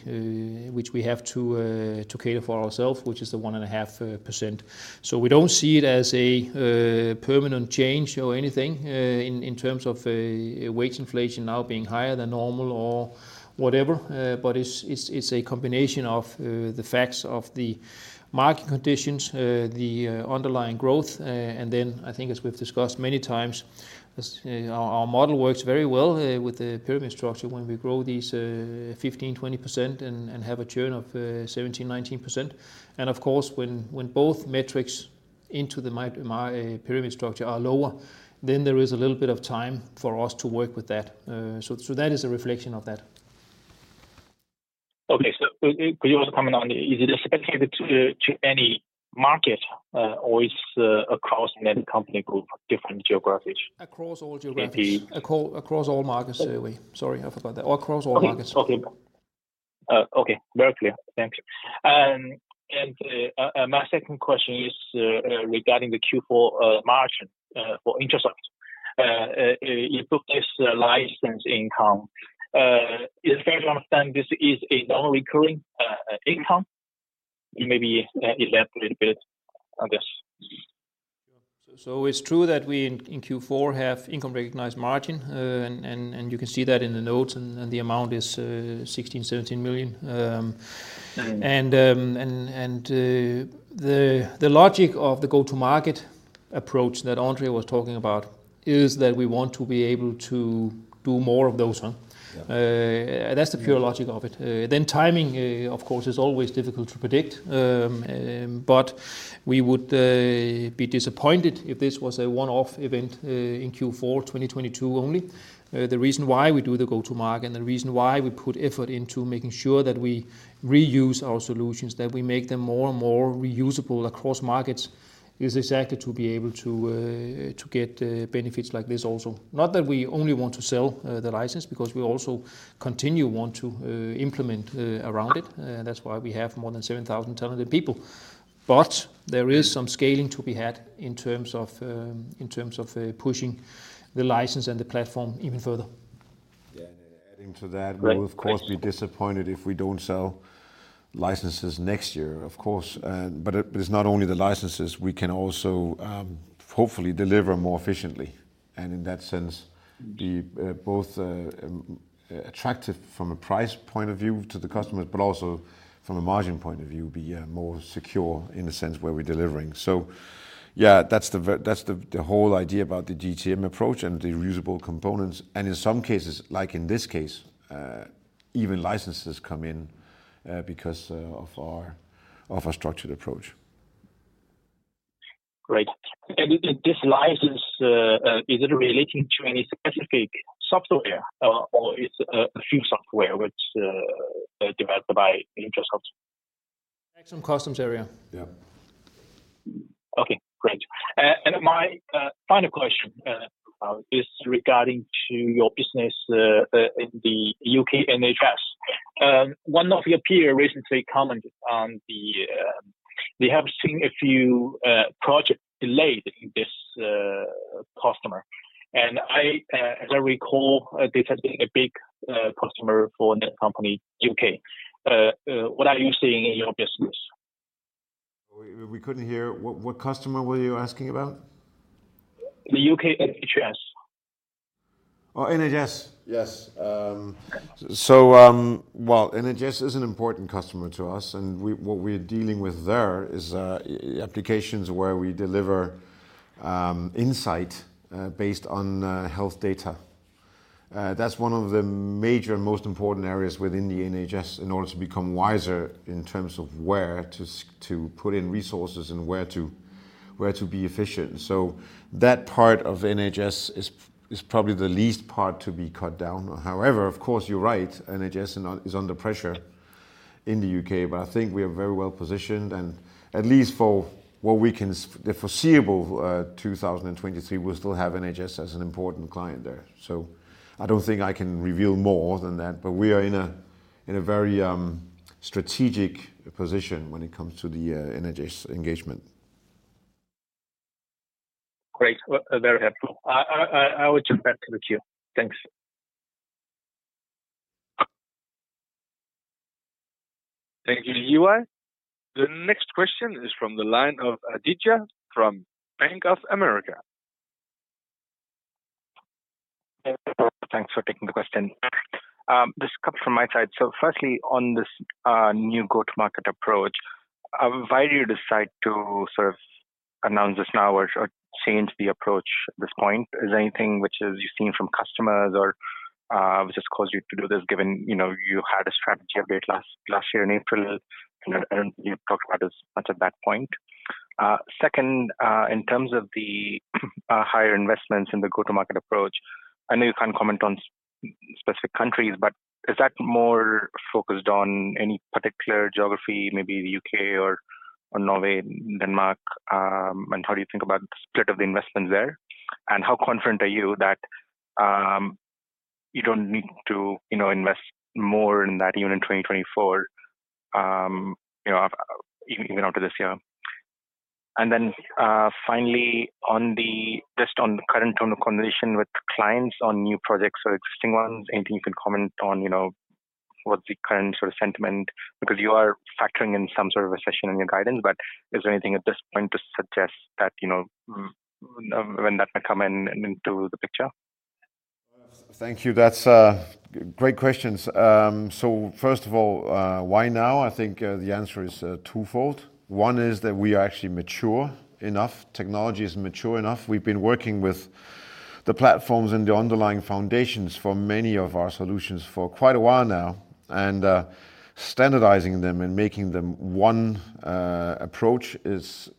which we have to to cater for ourselves, which is the 1.5%. We don't see it as a permanent change or anything in terms of wage inflation now being higher than normal or whatever. It's a combination of the facts of the market conditions, the underlying growth, and then I think as we've discussed many times as our model works very well with the pyramid structure when we grow these 15%-20% and have a churn of 17%-19%. Of course, when both metrics into the my pyramid structure are lower, then there is a little bit of time for us to work with that. That is a reflection of that. Okay. But you also comment on is it specific to any market or it's across Netcompany Group, different geographies? Across all geographies. AP- Across all markets, Louis. Sorry, I forgot that. Across all markets. Okay. Okay. Okay, very clear. Thank you. My second question is regarding the Q4 margin for Intrasoft. You book this license income. Is it fair to understand this is a non-recurring income? Maybe elaborate a little bit on this. Sure. It's true that we in Q4 have income recognized margin. And you can see that in the notes and the amount is 16 million-17 million. And the logic of the go-to-market approach that Andre was talking about is that we want to be able to do more of those, huh? Yeah. That's the pure logic of it. Then timing, of course, is always difficult to predict. We would be disappointed if this was a one-off event in Q4 2022 only. The reason why we do the go-to-market and the reason why we put effort into making sure that we reuse our solutions, that we make them more and more reusable across markets, is exactly to be able to get benefits like this also. Not that we only want to sell the license, because we also continue want to implement around it. That's why we have more than 7,000 talented people. There is some scaling to be had in terms of, in terms of pushing the license and the platform even further. Yeah. Adding to that- Great.... we'll of course be disappointed if we don't sell licenses next year, of course. But it's not only the licenses. We can also hopefully deliver more efficiently. In that sense, be both attractive from a price point of view to the customers, but also from a margin point of view, be more secure in the sense where we're delivering. That's the whole idea about the GTM approach and the reusable components. In some cases, like in this case, even licenses come in because of our structured approach. Great. This license, is it relating to any specific software, or it's a few software which, developed by Intrasoft? Tax and customs area. Yeah. Okay, great. My final question is regarding to your business in the U.K. NHS. One of your peer recently commented on the they have seen a few projects delayed in this customer. I, as I recall, this has been a big customer for Netcompany U.K.. What are you seeing in your business? We couldn't hear. What customer were you asking about? The U.K. NHS. NHS. Yes. Well, NHS is an important customer to us, and what we're dealing with there is applications where we deliver insight based on health data. That's one of the major, most important areas within the NHS in order to become wiser in terms of where to put in resources and where to, where to be efficient. That part of NHS is probably the least part to be cut down. However, of course, you're right, NHS is under pressure in the U.K.. I think we are very well-positioned, and at least for what we can the foreseeable 2023, we'll still have NHS as an important client there. I don't think I can reveal more than that, but we are in a very strategic position when it comes to the NHS engagement. Great. Well, very helpful. I will jump back to the queue. Thanks. Thank you, Yiwei. The next question is from the line of Aditya from Bank of America. Thanks for taking the question. This comes from my side. Firstly, on this new go-to-market approach, why do you decide to sort of announce this now or change the approach at this point? Is there anything which is you've seen from customers or which has caused you to do this given, you know, you had a strategy update last year in April, and you talked about this much at that point. Second, in terms of the higher investments in the go-to-market approach, I know you can't comment on specific countries, but is that more focused on any particular geography, maybe the U.K. or Norway, Denmark? How do you think about the split of the investment there? How confident are you that, you don't need to, you know, invest more in that even in 2024, you know, even after this year? Finally, just on the current tone of conversation with clients on new projects or existing ones, anything you can comment on, you know, what the current sort of sentiment? Because you are factoring in some sort of a recession in your guidance, but is there anything at this point to suggest that, you know, when that might come into the picture? Thank you. That's great questions. First of all, why now? I think the answer is twofold. One is that we are actually mature enough, technology is mature enough. We've been working with the platforms and the underlying foundations for many of our solutions for quite a while now, and standardizing them and making them one approach is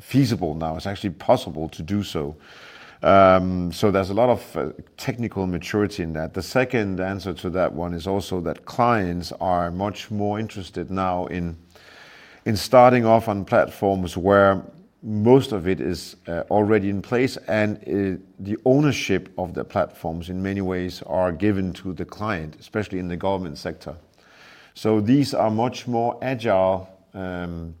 feasible now. It's actually possible to do so. There's a lot of technical maturity in that. The second answer to that one is also that clients are much more interested now in starting off on platforms where most of it is already in place, and the ownership of the platforms in many ways are given to the client, especially in the government sector. These are much more agile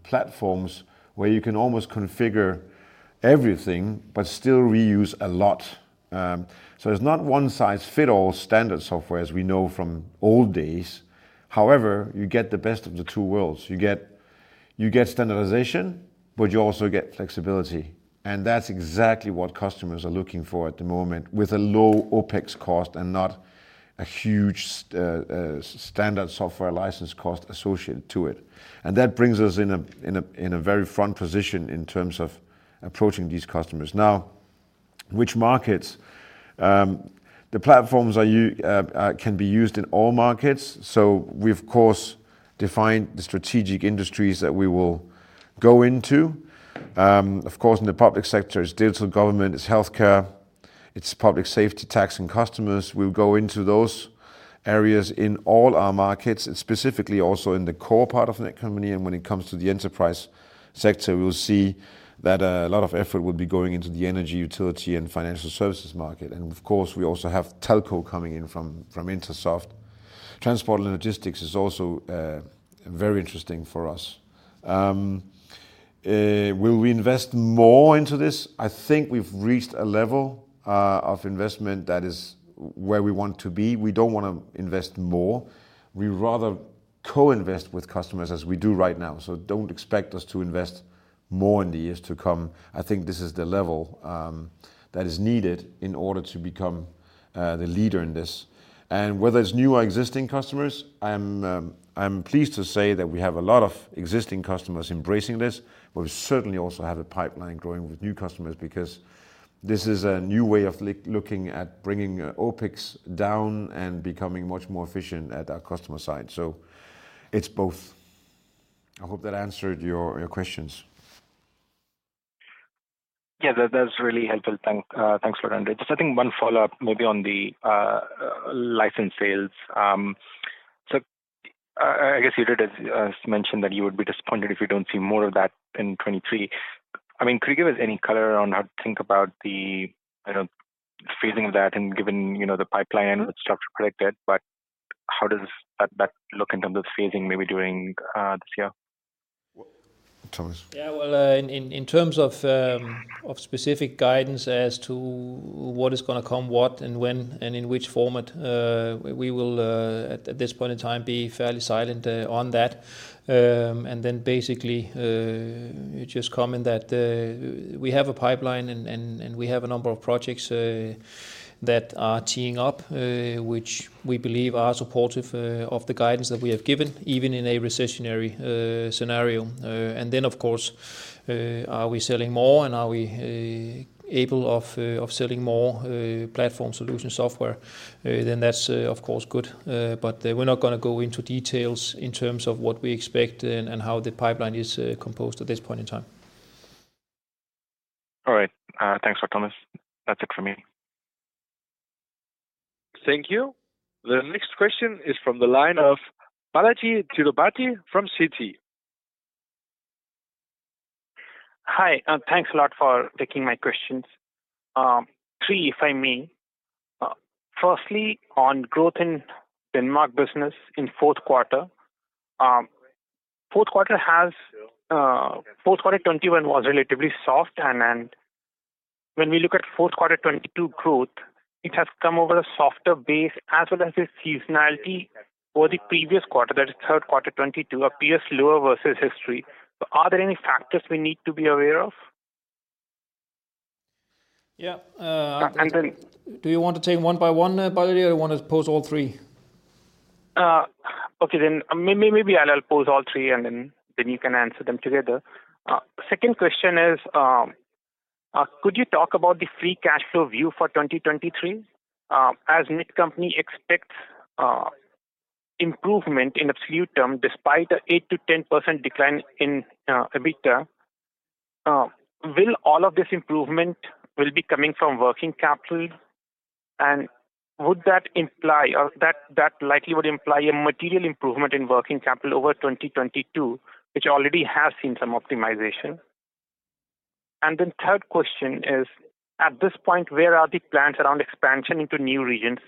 platforms where you can almost configure everything but still reuse a lot. It's not one-size-fits-all standard software as we know from old days. However, you get the best of the two worlds. You get standardization, but you also get flexibility. That's exactly what customers are looking for at the moment with a low OpEx cost and not a huge standard software license cost associated to it. That brings us in a very front position in terms of approaching these customers. Now, which markets? The platforms are can be used in all markets, so we of course define the strategic industries that we will go into. Of course, in the public sector, it's digital government, it's healthcare, it's public safety, tax, and customers. We'll go into those areas in all our markets, specifically also in the core part of the company. When it comes to the enterprise sector, we'll see that a lot of effort will be going into the energy, utility, and financial services market. Of course, we also have telco coming in from Intrasoft. Transport and logistics is also very interesting for us. Will we invest more into this? I think we've reached a level of investment that is where we want to be. We don't wanna invest more. We rather co-invest with customers as we do right now. Don't expect us to invest more in the years to come. I think this is the level that is needed in order to become the leader in this. Whether it's new or existing customers, I'm pleased to say that we have a lot of existing customers embracing this. We certainly also have a pipeline growing with new customers because this is a new way of looking at bringing OpEx down and becoming much more efficient at our customer side. It's both. I hope that answered your questions. Yeah. That's really helpful. Thanks, André. Just I think one follow-up maybe on the license sales. I guess you did mention that you would be disappointed if you don't see more of that in 2023. I mean, could you give us any color around how to think about the phasing that and given, you know, the pipeline that's structure predicted, but how does that look in terms of phasing maybe during this year? Thomas. Yeah. Well, in terms of specific guidance as to what is gonna come, what and when and in which format, we will at this point in time be fairly silent on that. Basically, just comment that we have a pipeline and we have a number of projects that are teeing up, which we believe are supportive of the guidance that we have given, even in a recessionary scenario. Of course, are we selling more and are we able of selling more platform solution software, then that's of course good. We're not gonna go into details in terms of what we expect and how the pipeline is composed at this point in time. All right. Thanks, Thomas. That's it for me. Thank you. The next question is from the line of Balajee Tirupati from Citi. Hi, thanks a lot for taking my questions. three, if I may. Firstly, on growth in Denmark business in fourth quarter. Fourth quarter 2021 was relatively soft, when we look at fourth quarter 2022 growth, it has come over a softer base as well as the seasonality for the previous quarter. That is third quarter 2022 appears lower versus history. Are there any factors we need to be aware of? Yeah. Absolutely. Do you want to take one by one, Balajee, or you want to pose all three? Okay. Maybe I'll pose all three, then you can answer them together. Second question is, could you talk about the free cash flow view for 2023? As Netcompany expects, improvement in absolute term despite the 8%-10% decline in EBITDA, will all of this improvement will be coming from working capital? Would that imply or that likely would imply a material improvement in working capital over 2022, which already has seen some optimization. Third question is, at this point, where are the plans around expansion into new regions,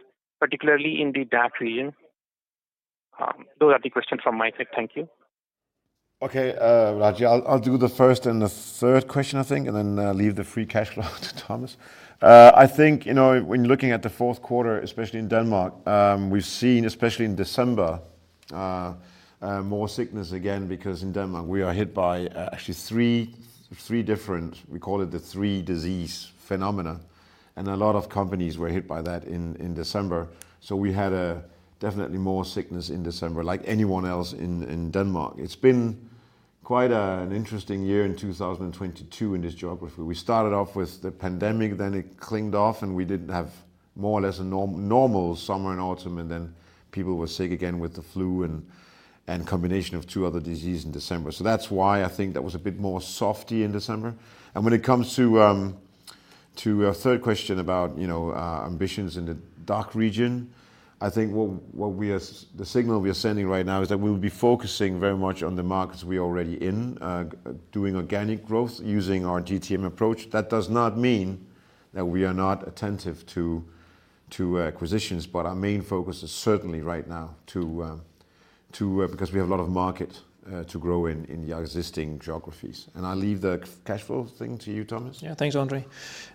particularly in the DACH region? Those are the questions from my side. Thank you. Okay. Balajee, I'll do the first and the third question, I think, and then leave the free cash flow to Thomas. I think, you know, when looking at the fourth quarter, especially in Denmark, we've seen, especially in December, more sickness again, because in Denmark we are hit by actually three different, we call it the three disease phenomena, and a lot of companies were hit by that in December. We had a definitely more sickness in December like anyone else in Denmark. It's been quite an interesting year in 2022 in this geography. We started off with the pandemic, then it clinged off, and we did have more or less a normal summer and autumn, and then people were sick again with the flu and combination of two other disease in December. That's why I think that was a bit more softy in December. When it comes to third question about, you know, ambitions in the DACH region, I think the signal we are sending right now is that we'll be focusing very much on the markets we're already in, doing organic growth using our GTM approach. That does not mean that we are not attentive to acquisitions, but our main focus is certainly right now to, because we have a lot of market to grow in the existing geographies. I'll leave the cash flow thing to you, Thomas. Yeah. Thanks, André.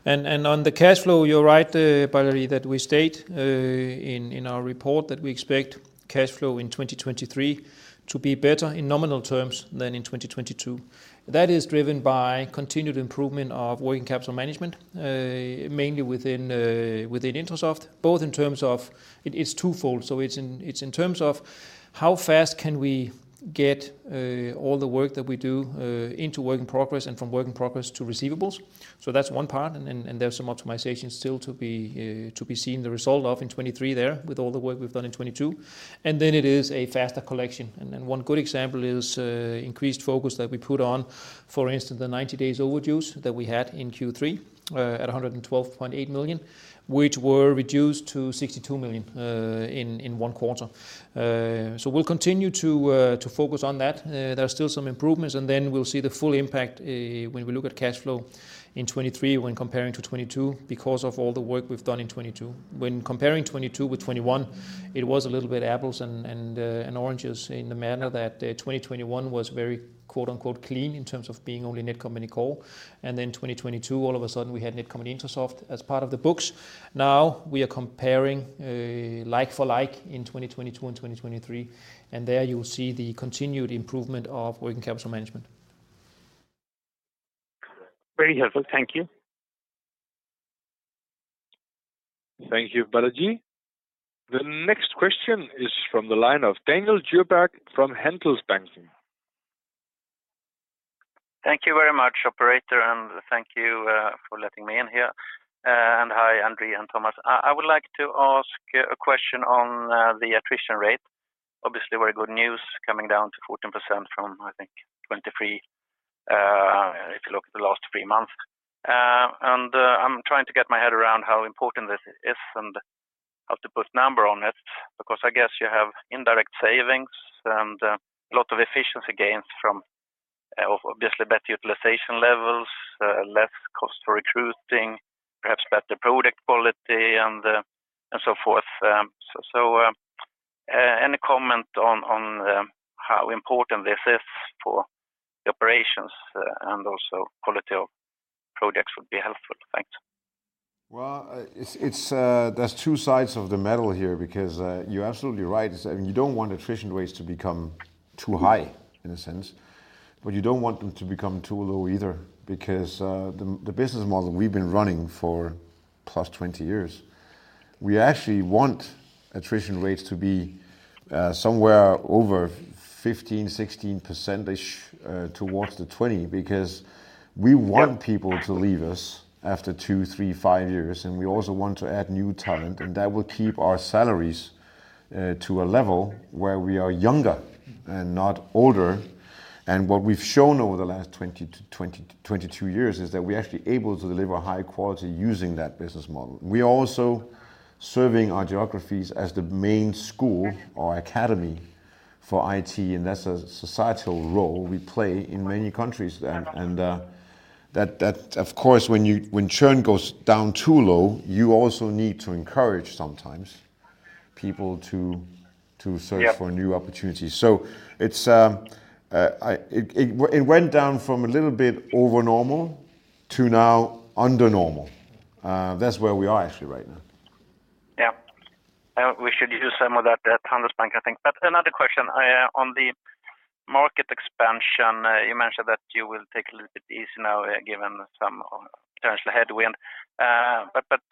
On the cash flow, you're right, Balajee Tirupati, that we state in our report that we expect cash flow in 2023 to be better in nominal terms than in 2022. That is driven by continued improvement of working capital management, mainly within Intrasoft International. It is twofold, so it's in terms of how fast can we get all the work that we do into work in progress and from work in progress to receivables. That's one part, and there are some optimizations still to be seen the result of in 2023 there with all the work we've done in 2022. Then it is a faster collection. One good example is increased focus that we put on, for instance, the 90 days overdues that we had in Q3, at 112.8 million, which were reduced to 62 million in one quarter. We'll continue to focus on that. There are still some improvements, we'll see the full impact when we look at cash flow in 2023 when comparing to 2022 because of all the work we've done in 2022. When comparing 2022 with 2021, it was a little bit apples and oranges in the manner that 2021 was very, quote-unquote, "clean" in terms of being only Netcompany Core. 2022, all of a sudden, we had Netcompany-Intrasoft as part of the books. We are comparing, like for like in 2022 and 2023, and there you will see the continued improvement of working capital management. Very helpful. Thank you. Thank you, Balajee. The next question is from the line of Daniel Djurberg from Handelsbanken. Thank you very much, operator, thank you for letting me in here. Hi, André and Thomas. I would like to ask a question on the attrition rate. Obviously very good news coming down to 14% from, I think, 23%, if you look at the last three months. I'm trying to get my head around how important this is and how to put number on it because I guess you have indirect savings and a lot of efficiency gains from obviously better utilization levels, less cost for recruiting, perhaps better product quality and so forth. Any comment on how important this is for the operations and also quality of products would be helpful. Thanks. Well, there's two sides of the medal here because you're absolutely right. I mean, you don't want attrition rates to become too high in a sense, but you don't want them to become too low either because the business model we've been running for +20 years, we actually want attrition rates to be somewhere over 15%, 16%-ish towards the 20% because we want people to leave us after 2, 3, 5 years, and we also want to add new talent, and that will keep our salaries to a level where we are younger and not older. What we've shown over the last 20-22 years is that we're actually able to deliver high quality using that business model. We are also serving our geographies as the main school or academy for IT, and that's a societal role we play in many countries. That of course, when churn goes down too low, you also need to encourage sometimes people to search- Yeah... for new opportunities. It went down from a little bit over normal to now under normal. That's where we are actually right now. Yeah. We should use some of that at Handelsbanken I think. Another question on the market expansion. You mentioned that you will take a little bit easy now, given some potential headwind.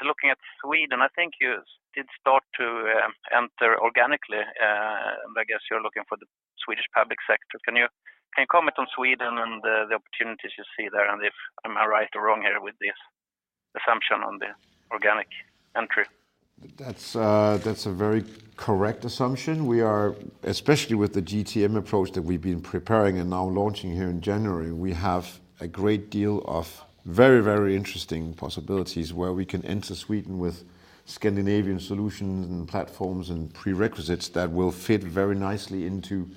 Looking at Sweden, I think you did start to enter organically. I guess you're looking for the Swedish public sector. Can you comment on Sweden and the opportunities you see there, and if am I right or wrong here with this assumption on the organic entry? That's a very correct assumption. We are, especially with the GTM approach that we've been preparing and now launching here in January, we have a great deal of very, very interesting possibilities where we can enter Sweden with Scandinavian solutions and platforms and prerequisites that will fit very nicely into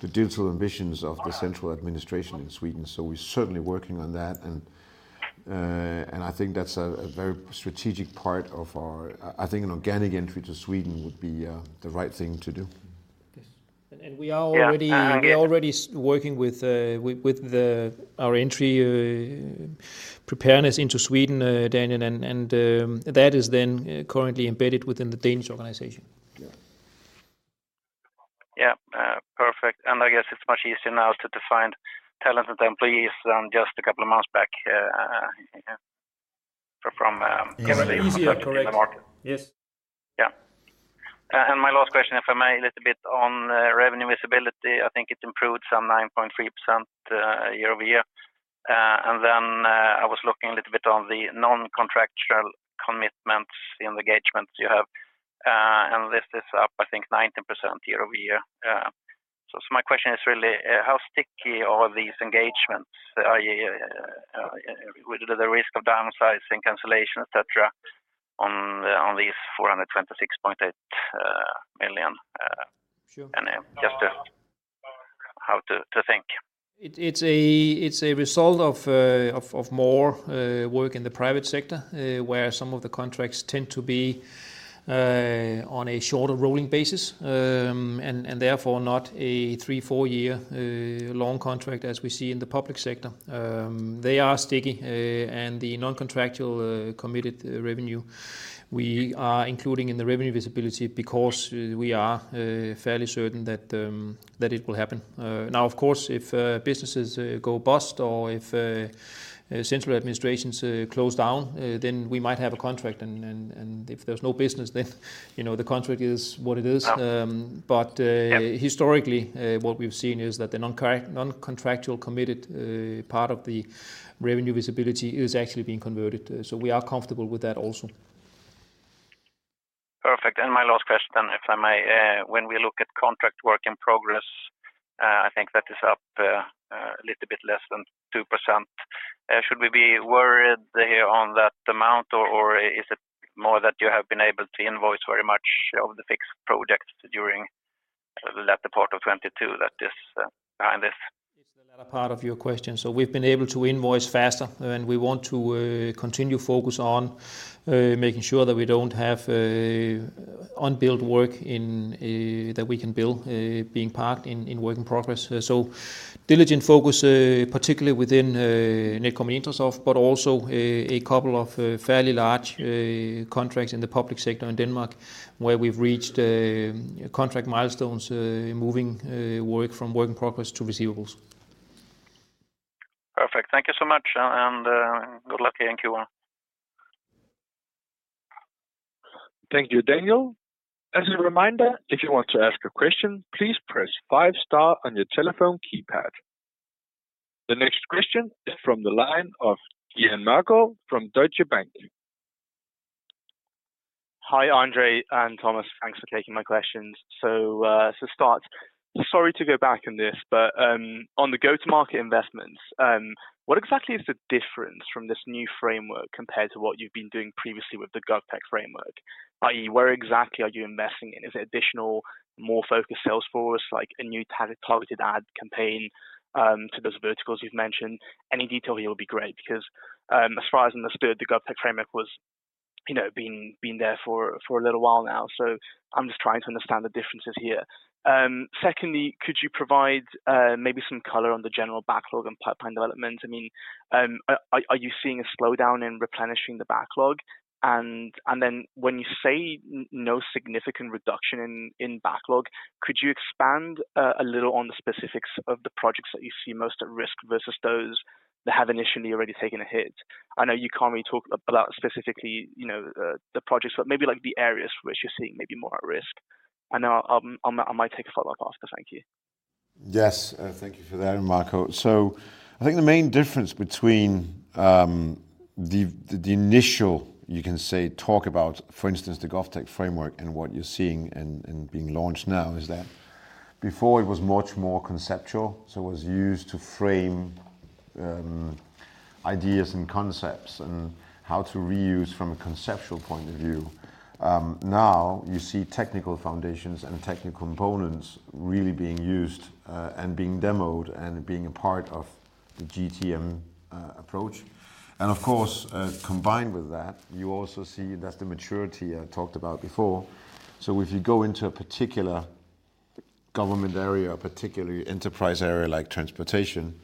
the digital ambitions of the central administration in Sweden. We're certainly working on that. I think that's a very strategic part of our... I think an organic entry to Sweden would be the right thing to do. Yes. We are. Yeah.... we are already working with the, our entry, preparedness into Sweden, Daniel. That is then currently embedded within the Danish organization. Yeah. Perfect. I guess it's much easier now to define talented employees than just a couple of months back, from. Easier. Correct. in the market. Yes. Yeah. My last question, if I may, a little bit on revenue visibility. I think it improved some 9.3% year-over-year. I was looking a little bit on the non-contractual commitments, the engagements you have, and this is up, I think, 19% year-over-year. My question is really, how sticky are these engagements? Are you with the risk of downsizing, cancellation, et cetera, on these 426.8 million? Sure... and, how to think. It's a result of more work in the private sector, where some of the contracts tend to be on a shorter rolling basis, and therefore not a 3, 4-year, long contract as we see in the public sector. They are sticky. The non-contractual, committed revenue we are including in the revenue visibility because we are fairly certain that it will happen. Of course, if businesses go bust or if central administrations close down, then we might have a contract and if there's no business, then, you know, the contract is what it is. Yeah. Um, but, uh- Yeah... historically, what we've seen is that the non-contractual committed, part of the revenue visibility is actually being converted, so we are comfortable with that also. Perfect. My last question, if I may. When we look at contract work in progress, I think that is up a little bit less than 2%. Should we be worried here on that amount or is it more that you have been able to invoice very much of the fixed projects during that part of 2022 that is behind this? It's the latter part of your question. We've been able to invoice faster, and we want to continue focus on making sure that we don't have unbilled work in that we can bill being parked in work in progress. Diligent focus particularly within Netcompany-Intrasoft, but also a couple of fairly large contracts in the public sector in Denmark where we've reached contract milestones moving work from work in progress to receivables. Perfect. Thank you so much and good luck in Q1. Thank you, Daniel. As a reminder, if you want to ask a question, please press five star on your telephone keypad. The next question is from the line of Gianmarco Conti from Deutsche Bank. Hi, André and Thomas. Thanks for taking my questions. To start, sorry to go back on this, but on the go-to-market investments, what exactly is the difference from this new framework compared to what you've been doing previously with the GovTech Framework? i.e., where exactly are you investing in? Is it additional, more focused sales force, like a new targeted ad campaign to those verticals you've mentioned? Any detail here will be great because as far as I understood, the GovTech Framework was, you know, been there for a little while now, so I'm just trying to understand the differences here. Secondly, could you provide maybe some color on the general backlog and pipeline development? I mean, are you seeing a slowdown in replenishing the backlog? Then when you say no significant reduction in backlog, could you expand a little on the specifics of the projects that you see most at risk versus those that have initially already taken a hit? I know you can't really talk about specifically, you know, the projects, but maybe, like, the areas which you're seeing may be more at risk. I know I might take a follow-up after. Thank you. Yes. Thank you for that, Marco. I think the main difference between the initial, you can say, talk about, for instance, the GovTech Framework and what you're seeing and being launched now is that before it was much more conceptual, so it was used to frame ideas and concepts and how to reuse from a conceptual point of view. Now you see technical foundations and technical components really being used and being demoed and being a part of the GTM approach. Of course, combined with that, you also see that's the maturity I talked about before. If you go into a particular government area or particular enterprise area like transportation,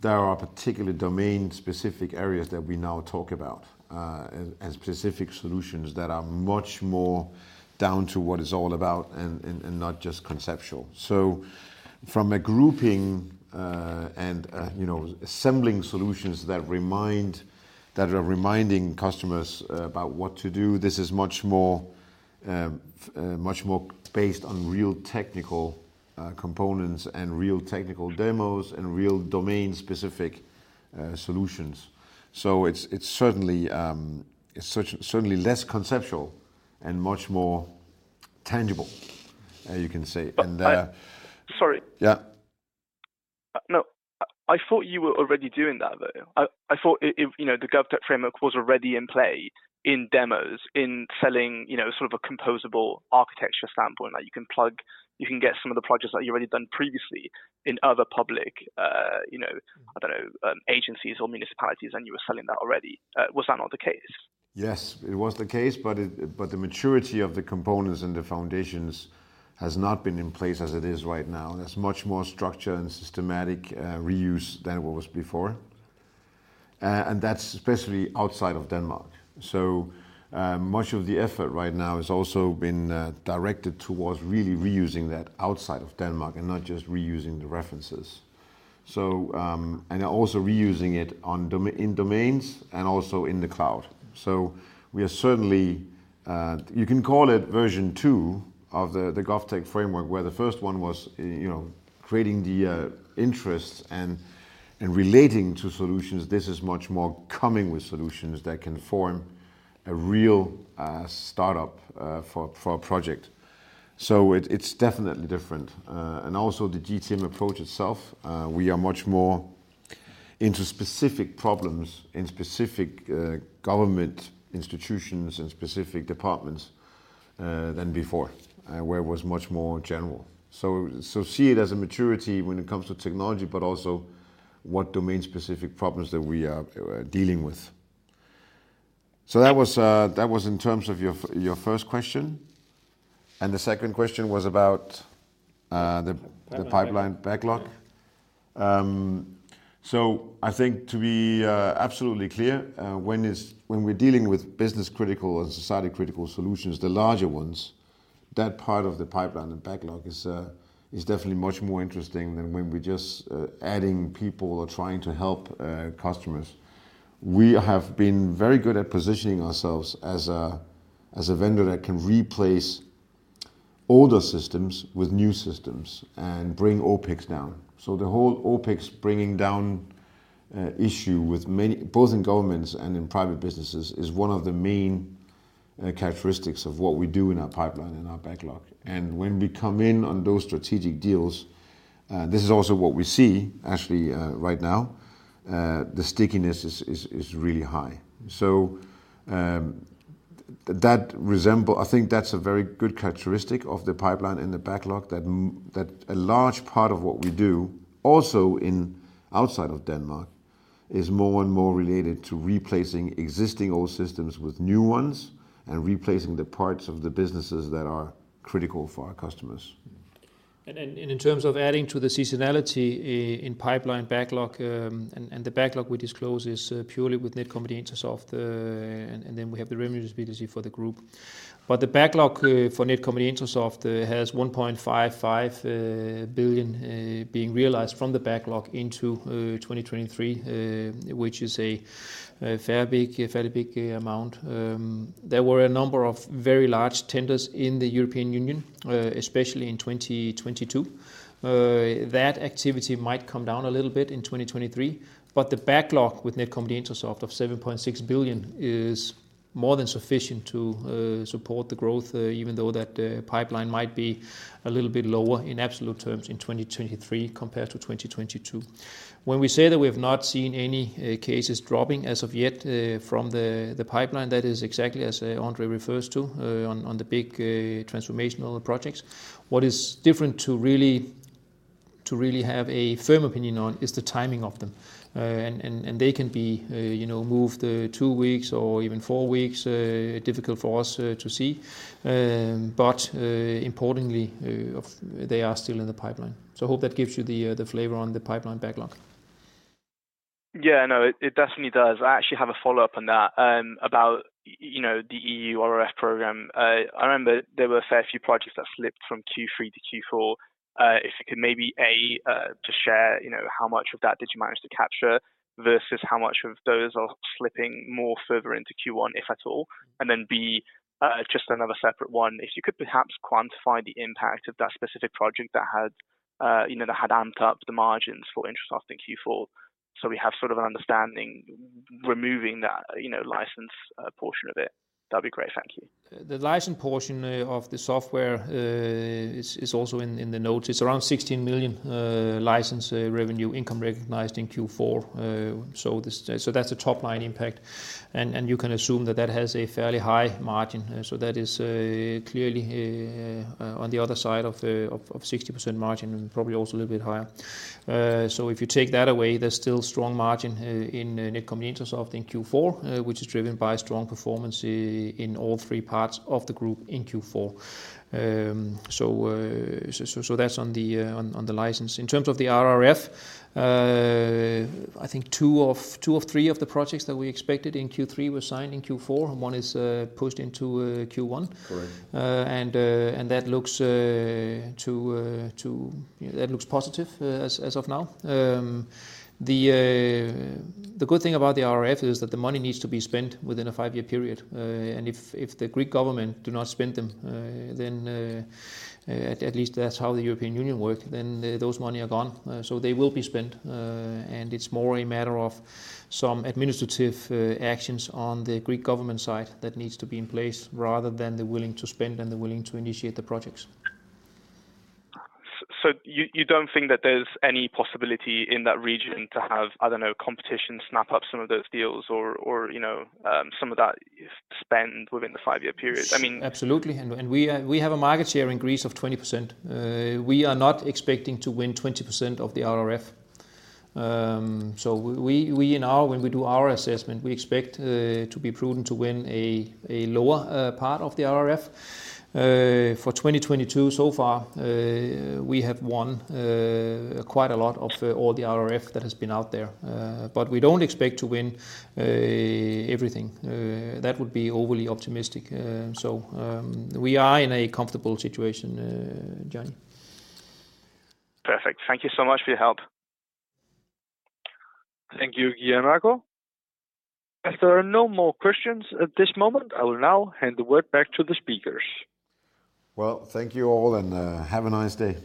there are particular domain-specific areas that we now talk about, as specific solutions that are much more down to what it's all about and not just conceptual. From a grouping, and, you know, assembling solutions that are reminding customers about what to do, this is much more, much more based on real technical components and real technical demos and real domain-specific solutions. It's certainly less conceptual and much more tangible, you can say. Sorry. Yeah. No. I thought you were already doing that, though. I thought it, you know, the GovTech Framework was already in play in demos, in selling, you know, sort of a composable architecture standpoint that you can plug, you can get some of the projects that you've already done previously in other public, you know, I don't know, agencies or municipalities, and you were selling that already. Was that not the case? Yes, it was the case, but the maturity of the components and the foundations has not been in place as it is right now. There's much more structure and systematic reuse than what was before. That's especially outside of Denmark. Much of the effort right now has also been directed towards really reusing that outside of Denmark and not just reusing the references. And also reusing it in domains and also in the cloud. We are certainly, you can call it version two of the GovTech Framework, where the first one was, you know, creating the interest and relating to solutions. This is much more coming with solutions that can form a real startup for a project. It's definitely different. The GTM approach itself, we are much more into specific problems in specific government institutions and specific departments than before, where it was much more general. See it as a maturity when it comes to technology, but also what domain-specific problems that we are dealing with. That was in terms of your first question. The second question was about the- Pipeline backlog. the pipeline backlog. I think to be absolutely clear, when we're dealing with business-critical or society-critical solutions, the larger ones, that part of the pipeline, the backlog is definitely much more interesting than when we're just adding people or trying to help customers. We have been very good at positioning ourselves as a vendor that can replace older systems with new systems and bring OpEx down. The whole OpEx bringing down issue with many... both in governments and in private businesses, is one of the main characteristics of what we do in our pipeline and our backlog. And when we come in on those strategic deals, this is also what we see actually right now, the stickiness is really high. That resemble... I think that's a very good characteristic of the pipeline and the backlog that that a large part of what we do also in outside of Denmark, is more and more related to replacing existing old systems with new ones and replacing the parts of the businesses that are critical for our customers. In terms of adding to the seasonality in pipeline backlog, the backlog we disclose is purely with Netcompany and Intrasoft. Then we have the Rebus BDC for the group. The backlog for Netcompany and Intrasoft has 1.55 billion being realized from the backlog into 2023, which is a fairly big amount. There were a number of very large tenders in the European Union, especially in 2022. That activity might come down a little bit in 2023, but the backlog with Netcompany and Intrasoft of 7.6 billion is more than sufficient to support the growth, even though that pipeline might be a little bit lower in absolute terms in 2023 compared to 2022. When we say that we have not seen any cases dropping as of yet from the pipeline, that is exactly as André refers to on the big transformational projects. What is different to really have a firm opinion on is the timing of them. They can be, you know, moved two weeks or even four weeks, difficult for us to see. Importantly, they are still in the pipeline. I hope that gives you the flavor on the pipeline backlog. Yeah. No, it definitely does. I actually have a follow-up on that, about, you know, the EU RRF program. I remember there were a fair few projects that slipped from Q3 to Q4. If you could maybe, A, just share, you know, how much of that did you manage to capture versus how much of those are slipping more further into Q1, if at all. B, just another separate one. If you could perhaps quantify the impact of that specific project that had, you know, that had amped up the margins for Intrasoft in Q4, so we have sort of an understanding removing that, you know, license, portion of it. That'd be great. Thank you. The license portion of the software is also in the notes. It's around 16 million license revenue income recognized in Q4. That's the top-line impact. You can assume that that has a fairly high margin. That is clearly on the other side of 60% margin and probably also a little bit higher. If you take that away, there's still strong margin in Netcompany and Intrasoft in Q4, which is driven by strong performance in all three parts of the group in Q4. That's on the license. In terms of the RRF, I think two of three of the projects that we expected in Q3 were signed in Q4, one is pushed into Q1. Correct. That looks positive as of now. The good thing about the RRF is that the money needs to be spent within a five-year period. If the Greek government do not spend them, at least that's how the European Union work, then those money are gone. They will be spent, and it's more a matter of some administrative actions on the Greek government side that needs to be in place rather than the willing to spend and the willing to initiate the projects. You don't think that there's any possibility in that region to have, I don't know, competition snap up some of those deals or, you know, some of that spend within the 5-year period? Absolutely. We have a market share in Greece of 20%. We are not expecting to win 20% of the RRF. We in our when we do our assessment, we expect to be prudent to win a lower part of the RRF. For 2022 so far, we have won quite a lot of all the RRF that has been out there. We don't expect to win everything. That would be overly optimistic. We are in a comfortable situation, Johnny. Perfect. Thank you so much for your help. Thank you, Gianmarco. As there are no more questions at this moment, I will now hand the word back to the speakers. Well, thank you all, and have a nice day.